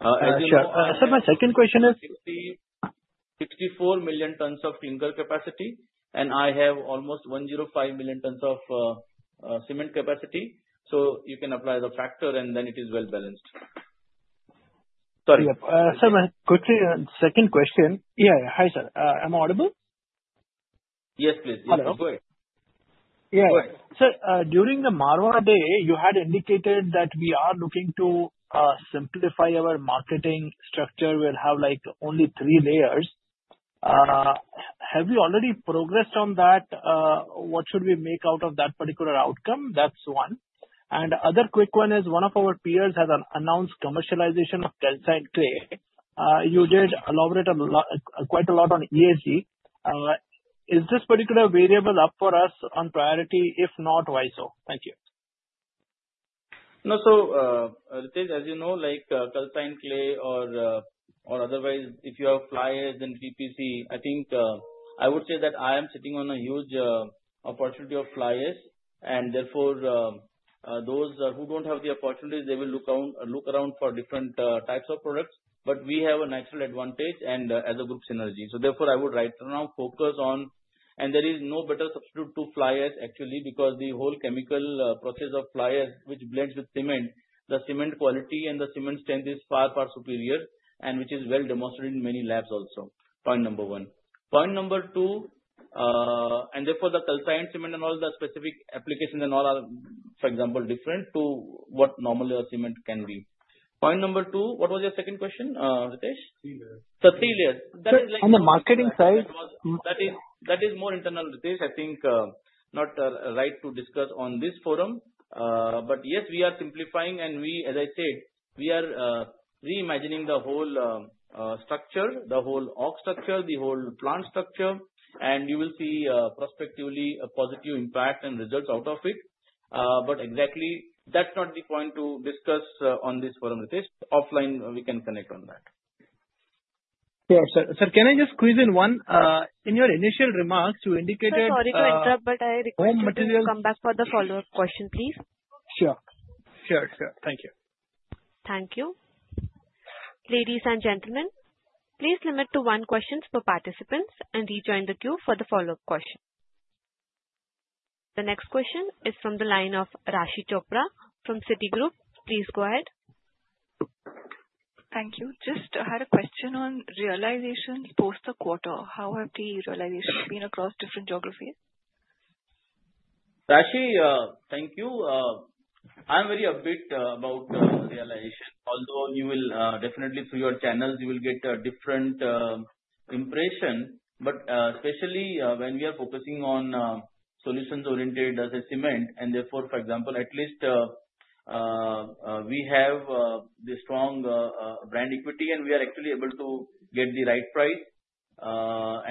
My second question is 64 million tons of clinker capacity and I have almost 105 million tons of cement capacity. You can apply the factor and then it is well balanced. Sorry sir, my second question. Hi sir. Am I audible? Yes, please. Yeah. Sir, during the Marwa day you had indicated that we are looking to simplify our marketing structure. We'll have like only three layers. Have we already progressed on that? What should we make out of that particular outcome? That's one, and other quick one is one of our peers has announced commercialization of calcined clay. You did elaborate quite a lot on ESG. Is this particular variable up for us on priority? If not, why so. Thank you. No. Ritesh, as you know, like calcined clay or otherwise, if you have fly ash and PPC, I would say that I am sitting on a huge opportunity of fly ash and therefore those who don't have the opportunities will look around for different types of products. We have a natural advantage and as a group, synergy. Therefore, I would right now focus on that. There is no better substitute to fly ash actually because the whole chemical process of fly ash, which blends with cement, the cement quality and the cement strength is far, far superior and which is well demonstrated in many labs. Also, point number one. Point number two, therefore, the calcined cement and all the specific applications and all are, for example, different to what normally a cement can be. Point number two, what was your second question, Ritesh, on the marketing side, that is more internal. Ritesh, I think not right to discuss on this forum. Yes, we are simplifying and as I said, we are reimagining the whole structure, the whole plant structure. You will see prospectively a positive impact and result out of it. Exactly that's not the point to discuss on this forum. Let's take this offline. We can connect on that. Sir, can I just squeeze in one? In your initial remarks you indicated. Sorry to interrupt, but I request to come back for the follow-up question, please. Sure, sure, sure. Thank you. Thank you. Ladies and gentlemen, please limit to one question per participant and rejoin the queue for the follow-up question. The next question is from the line of Raashi Chopra from Citigroup. Please go ahead. Thank you. Just had a question on realizations post the quarter. How have the realizations been across different geographies? Raashi, thank you. I am very upbeat about realization. Although you will definitely, through your channels, get a different impression, especially when we are focusing on solutions-oriented as a cement, and therefore, for example, at least we have the strong brand equity and we are actually able to get the right price,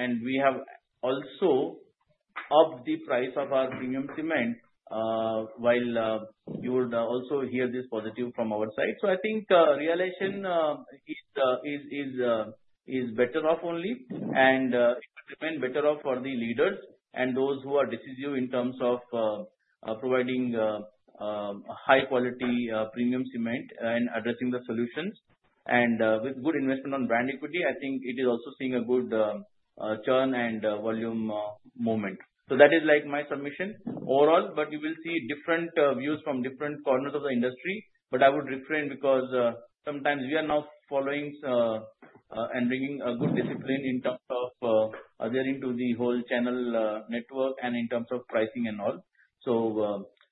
and we have also upped the price of our premium cement. While you would also hear this positive from our side, I think realization is better off only and it will remain better off for the leaders and those who are decisive in terms of providing high quality premium cement and addressing the solutions. With good investment on brand equity, I think it is also seeing a good churn and volume movement. That is my submission overall. You will see different views from different corners of the industry. I would refrain because sometimes we are now following and bringing a good discipline in terms of adhering to the whole channel network and in terms of pricing and all.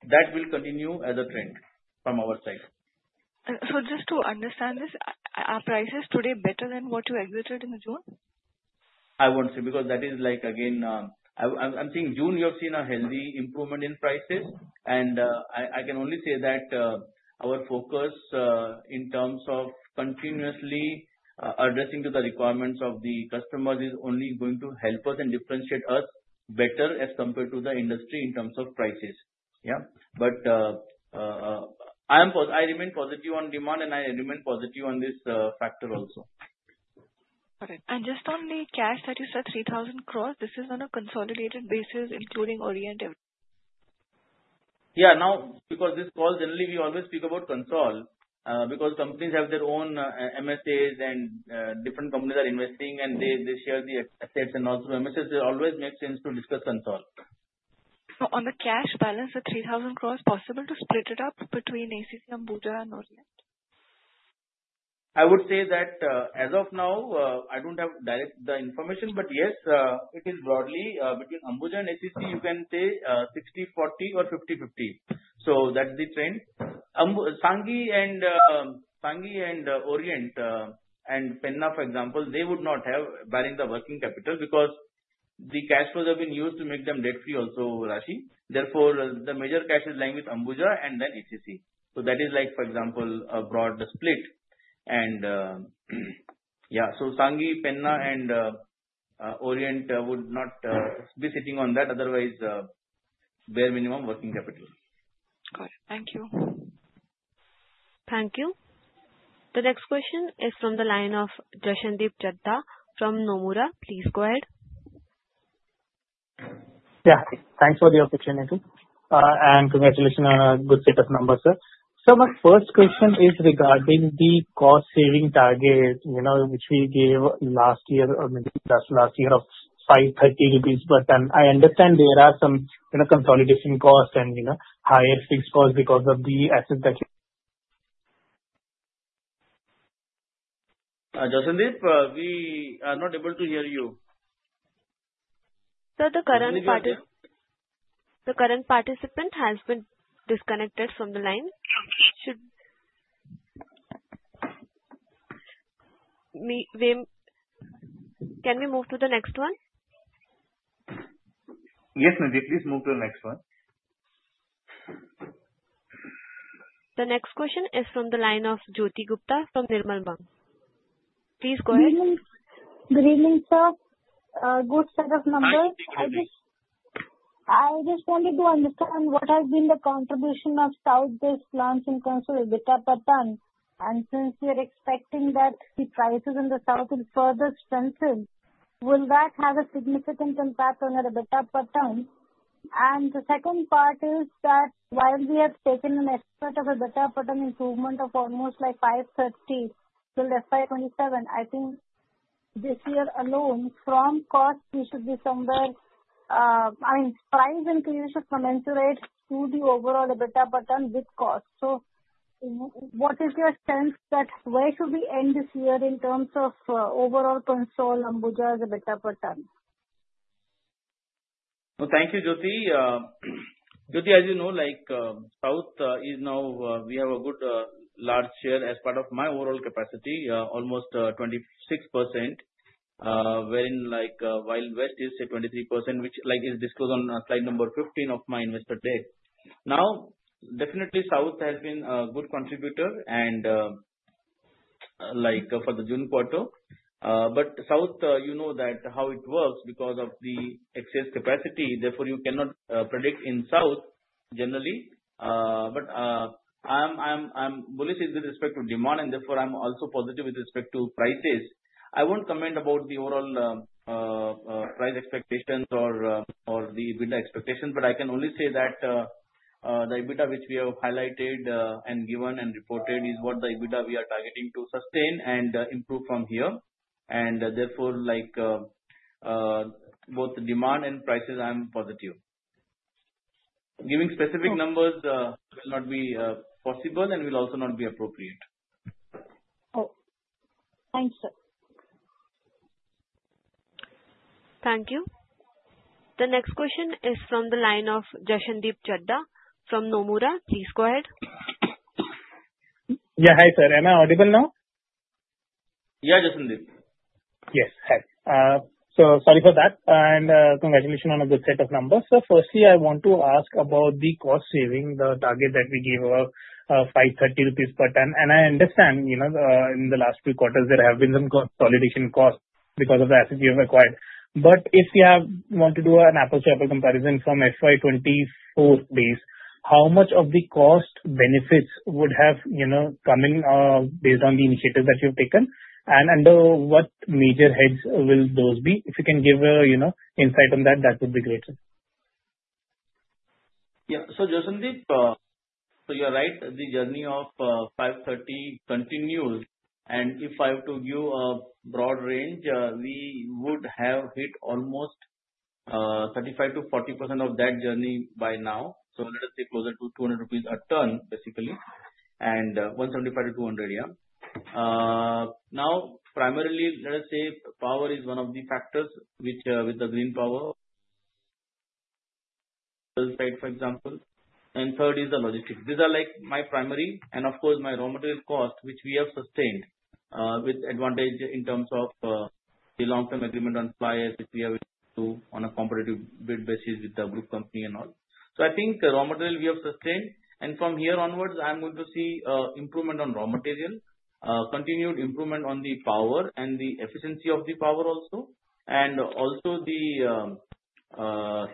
That will continue as a trend from our side. Are prices today better than what you exited in June? I won't say because that is like again I'm seeing June, you have seen a healthy improvement in prices, and I can only say that our focus in terms of continuously addressing to the requirements of the customers is only going to help us and differentiate us better as compared to the industry in terms of prices. Yeah, but I remain positive on demand, and I remain positive on this factor also. On the cash that you said 3,000 crores, this is on a consolidated basis including Orient Cement. Yeah. Now, because this call generally we always speak about Consol because companies have their own MSAs and different companies are investing and they share the assets, also MSA always makes sense to discuss Consol. On the cash balance, the 3,000 crores, possible to split it up between ACC and Orient. I would say that as of now I don't have direct information, but yes, it is broadly between ACC and HSC. You can say 60, 40 or 50, 50. That's the trend. Sanghi and Sanghi and Orient and Penna, for example, would not have, barring the working capital, because the cash flows have been used to make them debt free also. Raashi, therefore, the major cash is lying with ACC and then etc. That is, for example, a broad split. Sanghi, Penna, and Orient would not be sitting on that otherwise, bare minimum working capital. Thank you. Thank you. The next question is from the line of Jashandeep Chadha from Nomura. Please go ahead. Yeah, thanks for the opportunity and congratulations on a good set of numbers, sir. My first question is regarding the cost saving target, you know, which we gave last year of 530 rupees. I understand there are some consolidation cost and higher fixed cost because of the assets that you. We are not able to hear you. Sir, the current participant has been disconnected from the line. Can we move to the next one? Yes, Nidhi, please move to the next one. The next question is from the line of Jyoti Gupta from Nirmal Bang. Please go ahead. Good set of numbers. I just wanted to understand what has been the contribution of South this launching console EBITDA per ton. Since we are expecting that the prices in the South will further strengthen, will that have a significant impact on our EBITDA per ton? The second part is that while we have taken an expert of EBITDA per ton improvement of almost like 5.30, FY27, I think this year alone from cost we should be somewhere, I mean price increases commensurate to the overall EBITDA per ton with cost. What is your sense that where should we end this year in terms of overall console Ambuja as EBITDA per ton? Thank you, Jyoti. As you know, south is now we have a good large share as part of my overall capacity, almost 26%, whereas west is 23%, which is disclosed on slide number 15 of my investor day. South has been a good contributor for the June quarter. South, you know how it works because of the excess capacity. Therefore, you cannot predict in south generally. I am bullish with respect to demand and therefore I am also positive with respect to prices. I won't comment about the overall price expectations or the EBITDA expectations, but I can only say that the EBITDA which we have highlighted and given and reported is what the EBITDA we are targeting to sustain and improve from here. Therefore, both the demand and prices, I am positive. Giving specific numbers will not be possible and will also not be appropriate. Thank you. The next question is from the line of Jashandeep Chadha from Nomura. Please go ahead. Yeah, hi sir. Am I audible now? Yeah. Jashandeep. Yes, hi. Sorry for that and congratulations on a good set of numbers. Firstly, I want to ask about the cost saving target that we gave, 530 rupees per ton. I understand, in the last few quarters there have been some consolidation costs because of the asset you have acquired. If you want to do an apple to apple comparison from FY24 days, how much of the cost benefits would have come based on the initiatives that you've taken and under what major heads will those be? If you can give insight on that, that would be great. Yeah. You're right, the journey of 530 continues and if I have to give a broad range, we would have hit almost 35% to 40% of that journey. Let us say closer to 200 rupees a ton basically, 175 to 200. Primarily, let us say power is one of the factors, with the green power for example, and third is the logistics. These are my primary, and of course my raw material cost, which we have sustained with advantage in terms of the long-term agreement on suppliers, which we have on a competitive bid basis with the group company and all. I think raw material we have sustained, and from here onwards I am going to see improvement on raw material, continued improvement on the power and the efficiency of the power also, and also the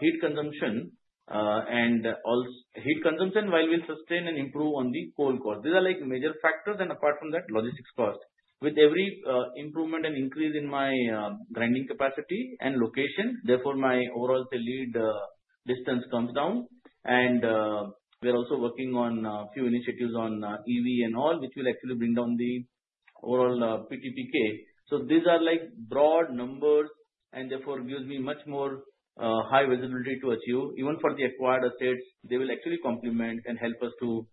heat consumption. Heat consumption we will sustain and improve on the coal cost. These are major factors. Apart from that, logistics cost, with every improvement and increase in my grinding capacity and location, therefore my overall lead distance comes down. We're also working on a few initiatives on EV and all, which will actually bring down the overall ptpk. These are broad numbers and therefore give me much more high visibility to achieve even for the acquired assets. They will actually complement and help us to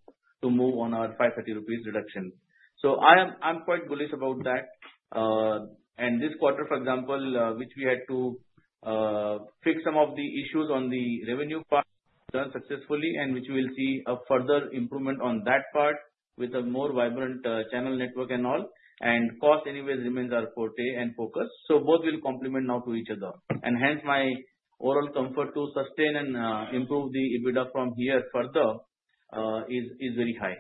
move on our 530 rupees reduction. I'm quite bullish about that. This quarter, for example, we had to fix some of the issues on the revenue part, done successfully, and we will see a further improvement on that part with a more vibrant channel network and all. Cost remains our forte and focus. Both will complement each other and hence my overall comfort to sustain and improve the EBITDA from here further is very high.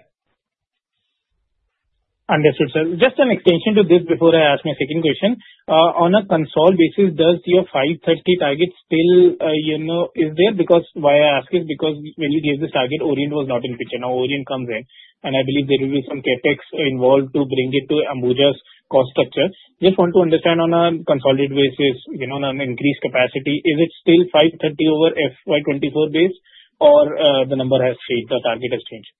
Understood, sir. Just an extension to this before I ask my second question on a consolidated basis. Does your 530 target still, you know, is there? Because why I ask is because when you gave this target, Orient was not in the picture. Now Orient comes in, and I believe there will be some CapEx involved to bring it to ACC's cost structure. Just want to understand, on a consolidated basis, you know, increased capacity—is it still 530 over FY24 days, or the number has changed, the target has changed?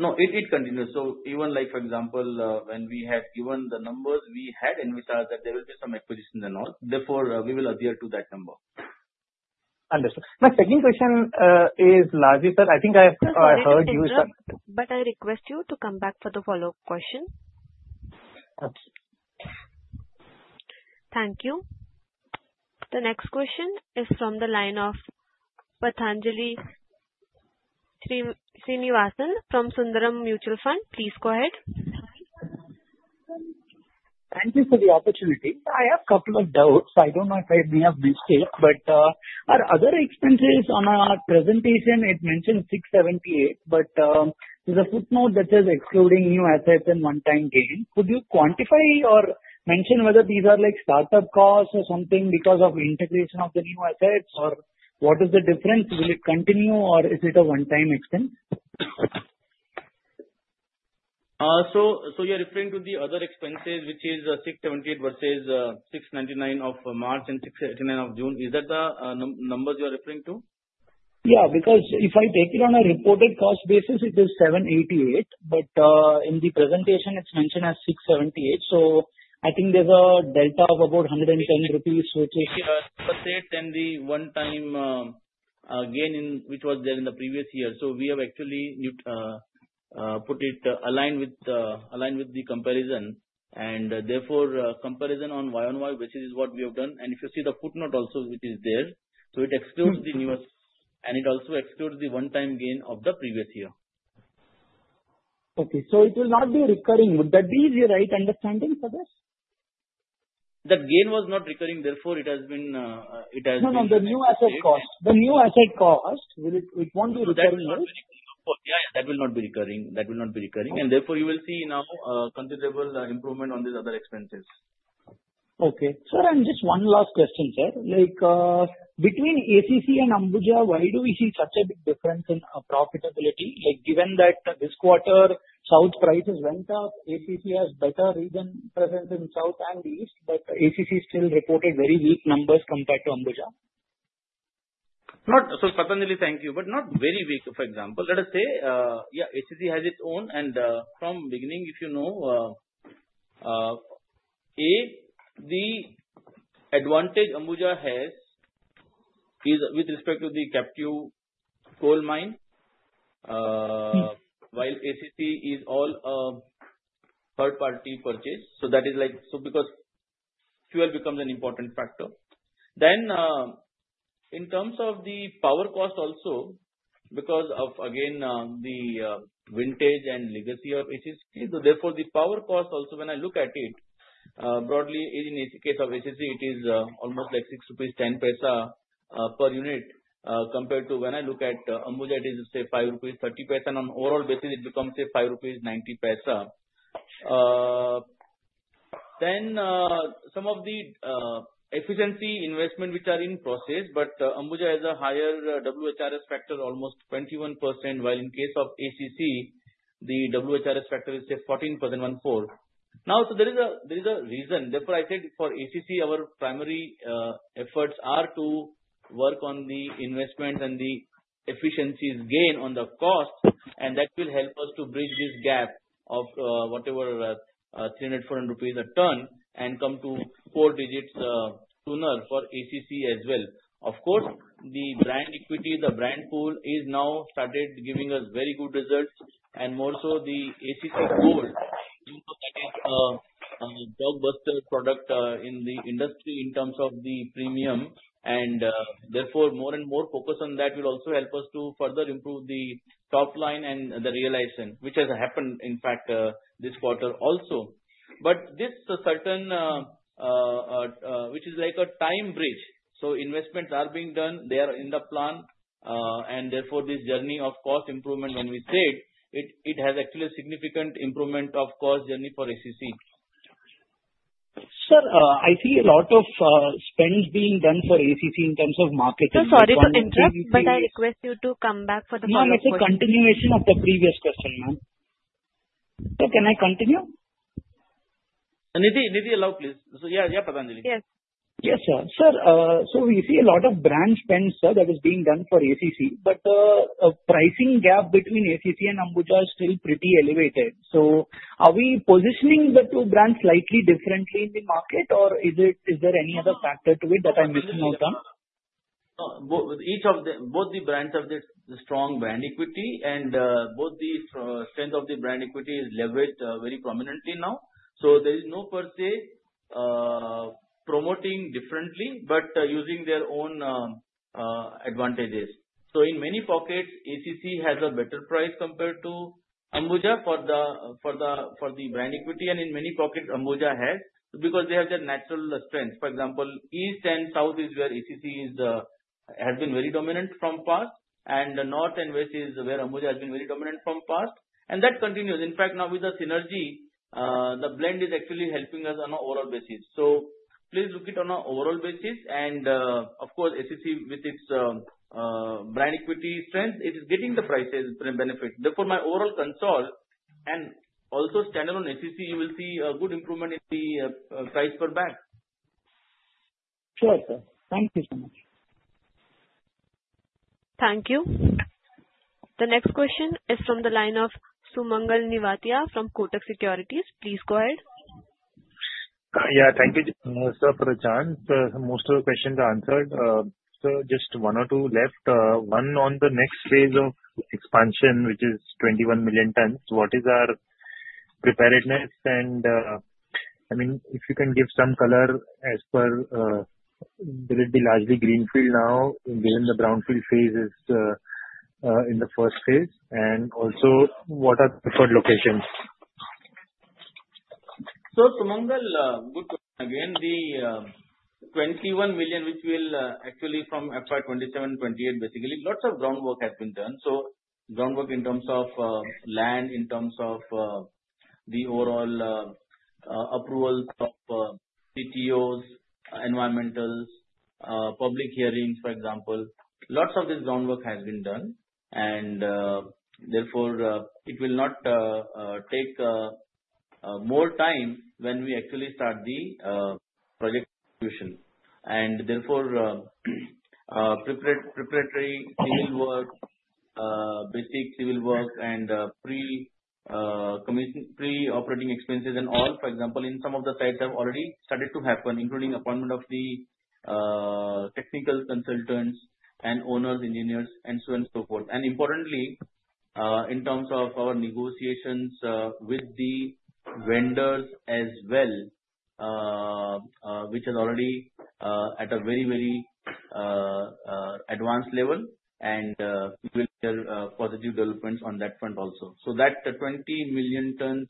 It continues, so even, for example, when we had given the numbers we had, in which there will be some acquisitions and all, therefore we will adhere to that number. Understood. My second question is largely, sir, I think I heard you. I request you to come back for the follow up question. Thank you. The next question is from the line of Patanjali Srinivasan from Sundaram Mutual Fund. Please go ahead. Thank you for the opportunity. I have couple of doubts. I don't know if I may have missed it, but our other expenses on our presentation, it mentioned 678. There's a footnote that is excluding new assets and one-time gain. Could you quantify or mention whether these are like startup costs or something because of integration of the new assets? What is the difference? Will it continue or is it a one-time extent? You're referring to the other expenses, which is 678 versus 699 of March and 689 of June. Is that the numbers you are referring to? Yeah, because if I take it on a reported cost basis, it is 788. In the presentation, it's mentioned as 678. I think there's a delta of about 110 rupees, which is. The one time gain which was there in the previous year has actually been put in line with the comparison. Therefore, comparison on YoY basis is what we have done. If you see the footnote also, it excludes the newest and it also excludes the one time gain of the previous year. Okay, so it will not be recurring. Would that be easy? Right. Understanding for this, that gain was not recurring. Therefore, it has been. It has. No, no. The new asset cost. The new asset cost. Will it want to. Yeah, that will not be recurring. That will not be recurring, and therefore you will see now considerable improvement on these other expenses. Okay sir. Just one last question sir. Like between ACC and Ambuja, why do we see such a big difference in profitability? Given that this quarter south prices went up, ACC has better region presence in south and east, but ACC still reported very weak numbers compared to Ambuja. Thank you. For example, let us say ACC has its own and from beginning if you know. The advantage Ambuja has is with respect to the captive coal mine, while ACC is all a third-party purchase. That is because fuel becomes an important factor in terms of the power cost also because of again the vintage and legacy of ACC. Therefore, the power cost also when I look at it broadly in case of ACC, it is almost 6.10 rupees per unit compared to when I look at Ambuja, it is 5.30 rupees. On an overall basis, it becomes 5.90 rupees. Some of the efficiency investment which are in process, but Ambuja has a higher WHRS factor, almost 21%, while in case of ACC, the WHRS factor is 14% now. There is a reason. Therefore, I said for ACC, our primary efforts are to work on the investment and the efficiencies gain on the cost. That will help us to bridge this gap of whatever 300 rupees, 400 rupees a ton and come to four digits sooner for ACC as well. Of course, the brand equity, the brand pull is now started giving us very good results and more so the ACC Gold, that is a blockbuster product in the industry in terms of the premium and therefore more and more focus on that will also help us to further improve the top line and the realization which has happened in fact this quarter also. This is certain, which is like a time bridge. Investments are being done, they are in the plan. Therefore, this journey of cost improvement, when we said it, it has actually a significant improvement of cost journey for ACC. Sir, I see a lot of spend being done for ACC in terms of market. Sorry to interrupt, but I request you to come back for the continuation of the previous question. Can I continue? Yes, sir. We see a lot of brand spend, sir, that is being done for ACC, but the pricing gap between ACC and Ambuja is still pretty elevated. Are we positioning the two brands slightly differently in the market, or is there any other factor to it? I'm missing out on each of them? Both the brands have this strong brand equity, and both the strength of the brand equity is leveraged very prominently now. There is no per se promoting differently but using their own advantages. In many pockets, ACC has a better price compared to Ambuja for the brand equity, and in many pockets Ambuja has because they have their natural strength. For example, east and south is where ACC has been very dominant from past, and north and west is where Ambuja has been very dominant from past. That continues; in fact, now with the synergy, the blend is actually helping us on an overall basis. Please look at it on an overall basis. Of course, ACC with its brand equity strength is getting the prices benefit. Therefore, my overall console and also standalone ACC, you will see a good improvement in the price for back. Sure, sir. Thank you so much. Thank you. The next question is from the line of Sumangal Nevatia from Kotak Securities. Please go ahead. Yeah, thank you, sir. For a change, most of the questions answered. Just one or two left. 1. On the next phase of expansion, which is 21 million tons, what is our preparedness? If you can give some color as per will it be largely greenfield now given the brownfield phase is in the first phase, and also what are the preferred locations? Sumangal, good question. Again, the 21 million which will actually from FY 2027-2028. Basically, lots of groundwork. Groundwork in terms of land, in terms of the overall approval of CTOs, environmentals, public hearings, for example, lots of this groundwork has been done, and therefore it will not take more time when we actually start the project execution. Therefore, preparatory civil work, basic civil work, and pre-operating expenses and all. For example, in some of the sites have already started to happen, including appointment of the technical consultants and owners, engineers and so on, so forth. Importantly, in terms of our negotiations with the vendors as well, which is already at a very, very advanced level and positive developments on that front also. That 20 million tons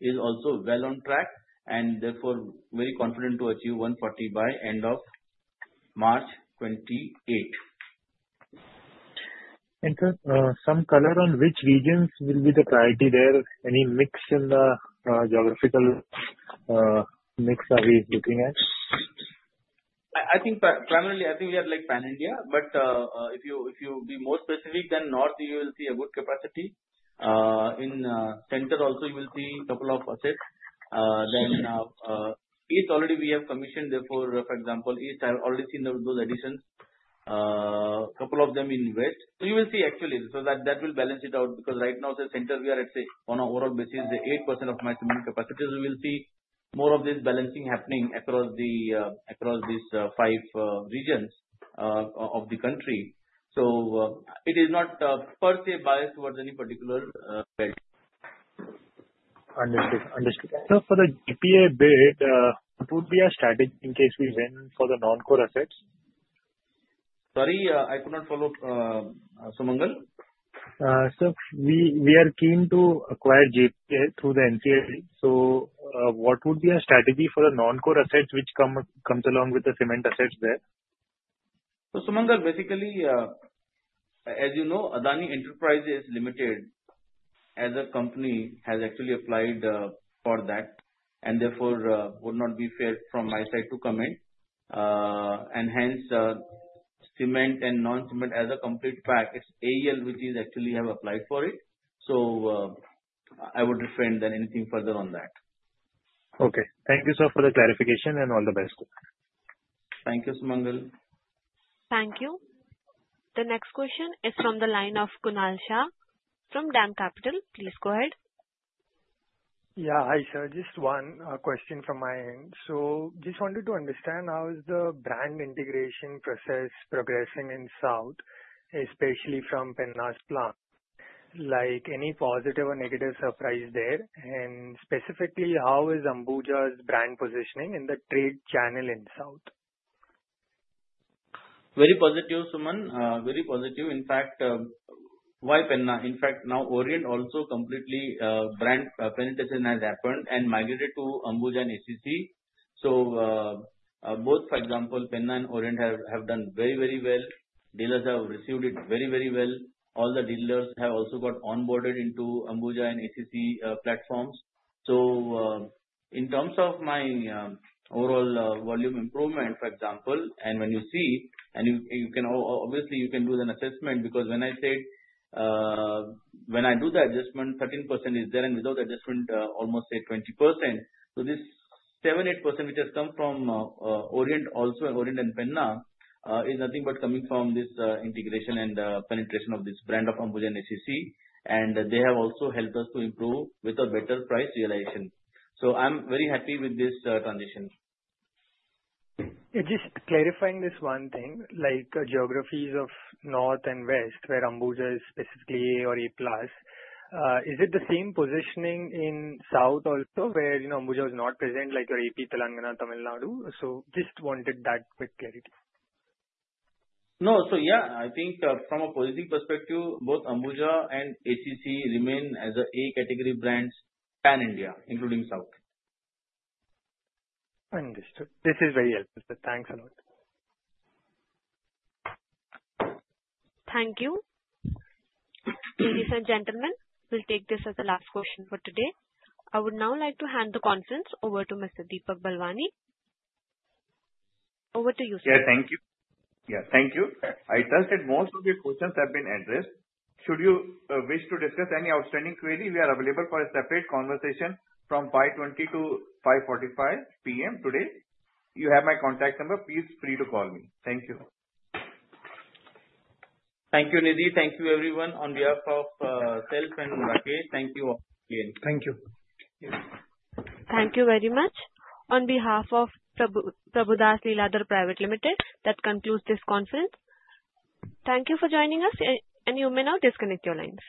is also well on track and therefore very confident to achieve 140 by end of March 28. Some color on which regions will be the priority. Is there any mix in the geographical mix we are looking at? I think primarily we are like Pan India. If you be more specific than north, you will see a good capacity in center also, you will see a couple of assets. Each already we have commissioned. For example, each I have already seen those additions, a couple of them in weight. You will see actually that will balance it out because right now the center we are at, say, on a world basis, the 8% of maximum capacities. We will see more of this balancing happening across these five regions of the country. It is not per se biased towards any particular. Understood, understood. For the GPA bid, it would be a strategy in case we went for the non-core assets. Sorry, I could not follow. We are keen to acquire [JJPA] through the [NCAA]. What would be a strategy for non-core assets which come along with the cement assets there? Basically, as you know, Adani Enterprises Limited as a company has actually applied for that, and therefore it would not be fair from my side to comment. Hence, cement and non-cement as a complete pack, it's all which has actually applied for it. I would refrain from anything further on that. Okay, thank you, sir, for the clarification and all the best. Thank you. Thank you. The next question is from the line of Kunal Shah from DAM Capital. Yeah. Hi sir, just one question from my end. I just wanted to understand how is the brand integration process progressing in South, especially from Penna's plant? Any positive or negative surprise there? Specifically, how is ACC's brand positioning in the trade channel in South? Very positive, Suman, very positive. In fact, why Penna? In fact, now Orient also, complete brand penetration has happened and migrated to Ambuja and ACC. Both, for example, Penna and Orient have done very, very well. Dealers have received it very, very well. All the dealers have also got onboarded into Ambuja and ACC platforms. In terms of my overall volume improvement, for example, and when you see, obviously you can do an assessment because when I said when I do the adjustment, 13% is there and without adjustment almost, say, 20%. This 7-8% which has come from Orient, also Orient and Penna, is nothing but coming from this integration and penetration of this brand of Ambuja and ACC. They have also helped us to improve with a better price realization. I'm very happy with this transition. Just clarifying this one thing, like geographies of north and west where Ambuja is specifically A or a. Is it the same positioning in south also where you know Ambuja is not present like your AP, Telangana, Tamil Nadu? Just wanted that quick clarity. No. I think from a policy perspective both Ambuja and ACC remain as A category brands in India including South. Understood. This is very helpful, sir. Thanks a lot. Thank you. Ladies and gentlemen, we'll take this as the last question for today. I would now like to hand the conference over to Mr. Deepak Balwani. Over to you, sir. Thank you. Yeah, thank you. I trust most of the questions have been addressed. Should you wish to discuss any outstanding query, we are available for a separate. Conversation from 5:20-5:45 P.M. today. You have my contact number. Please feel free to call me. Thank you. Thank you, Nidhi. Thank you, everyone, on behalf of self and Rakesh. Thank you again. Thank you. Thank you very much. On behalf of Prabhudas Lilladher Private Limited, that concludes this conference. Thank you for joining us. You may now disconnect your lines.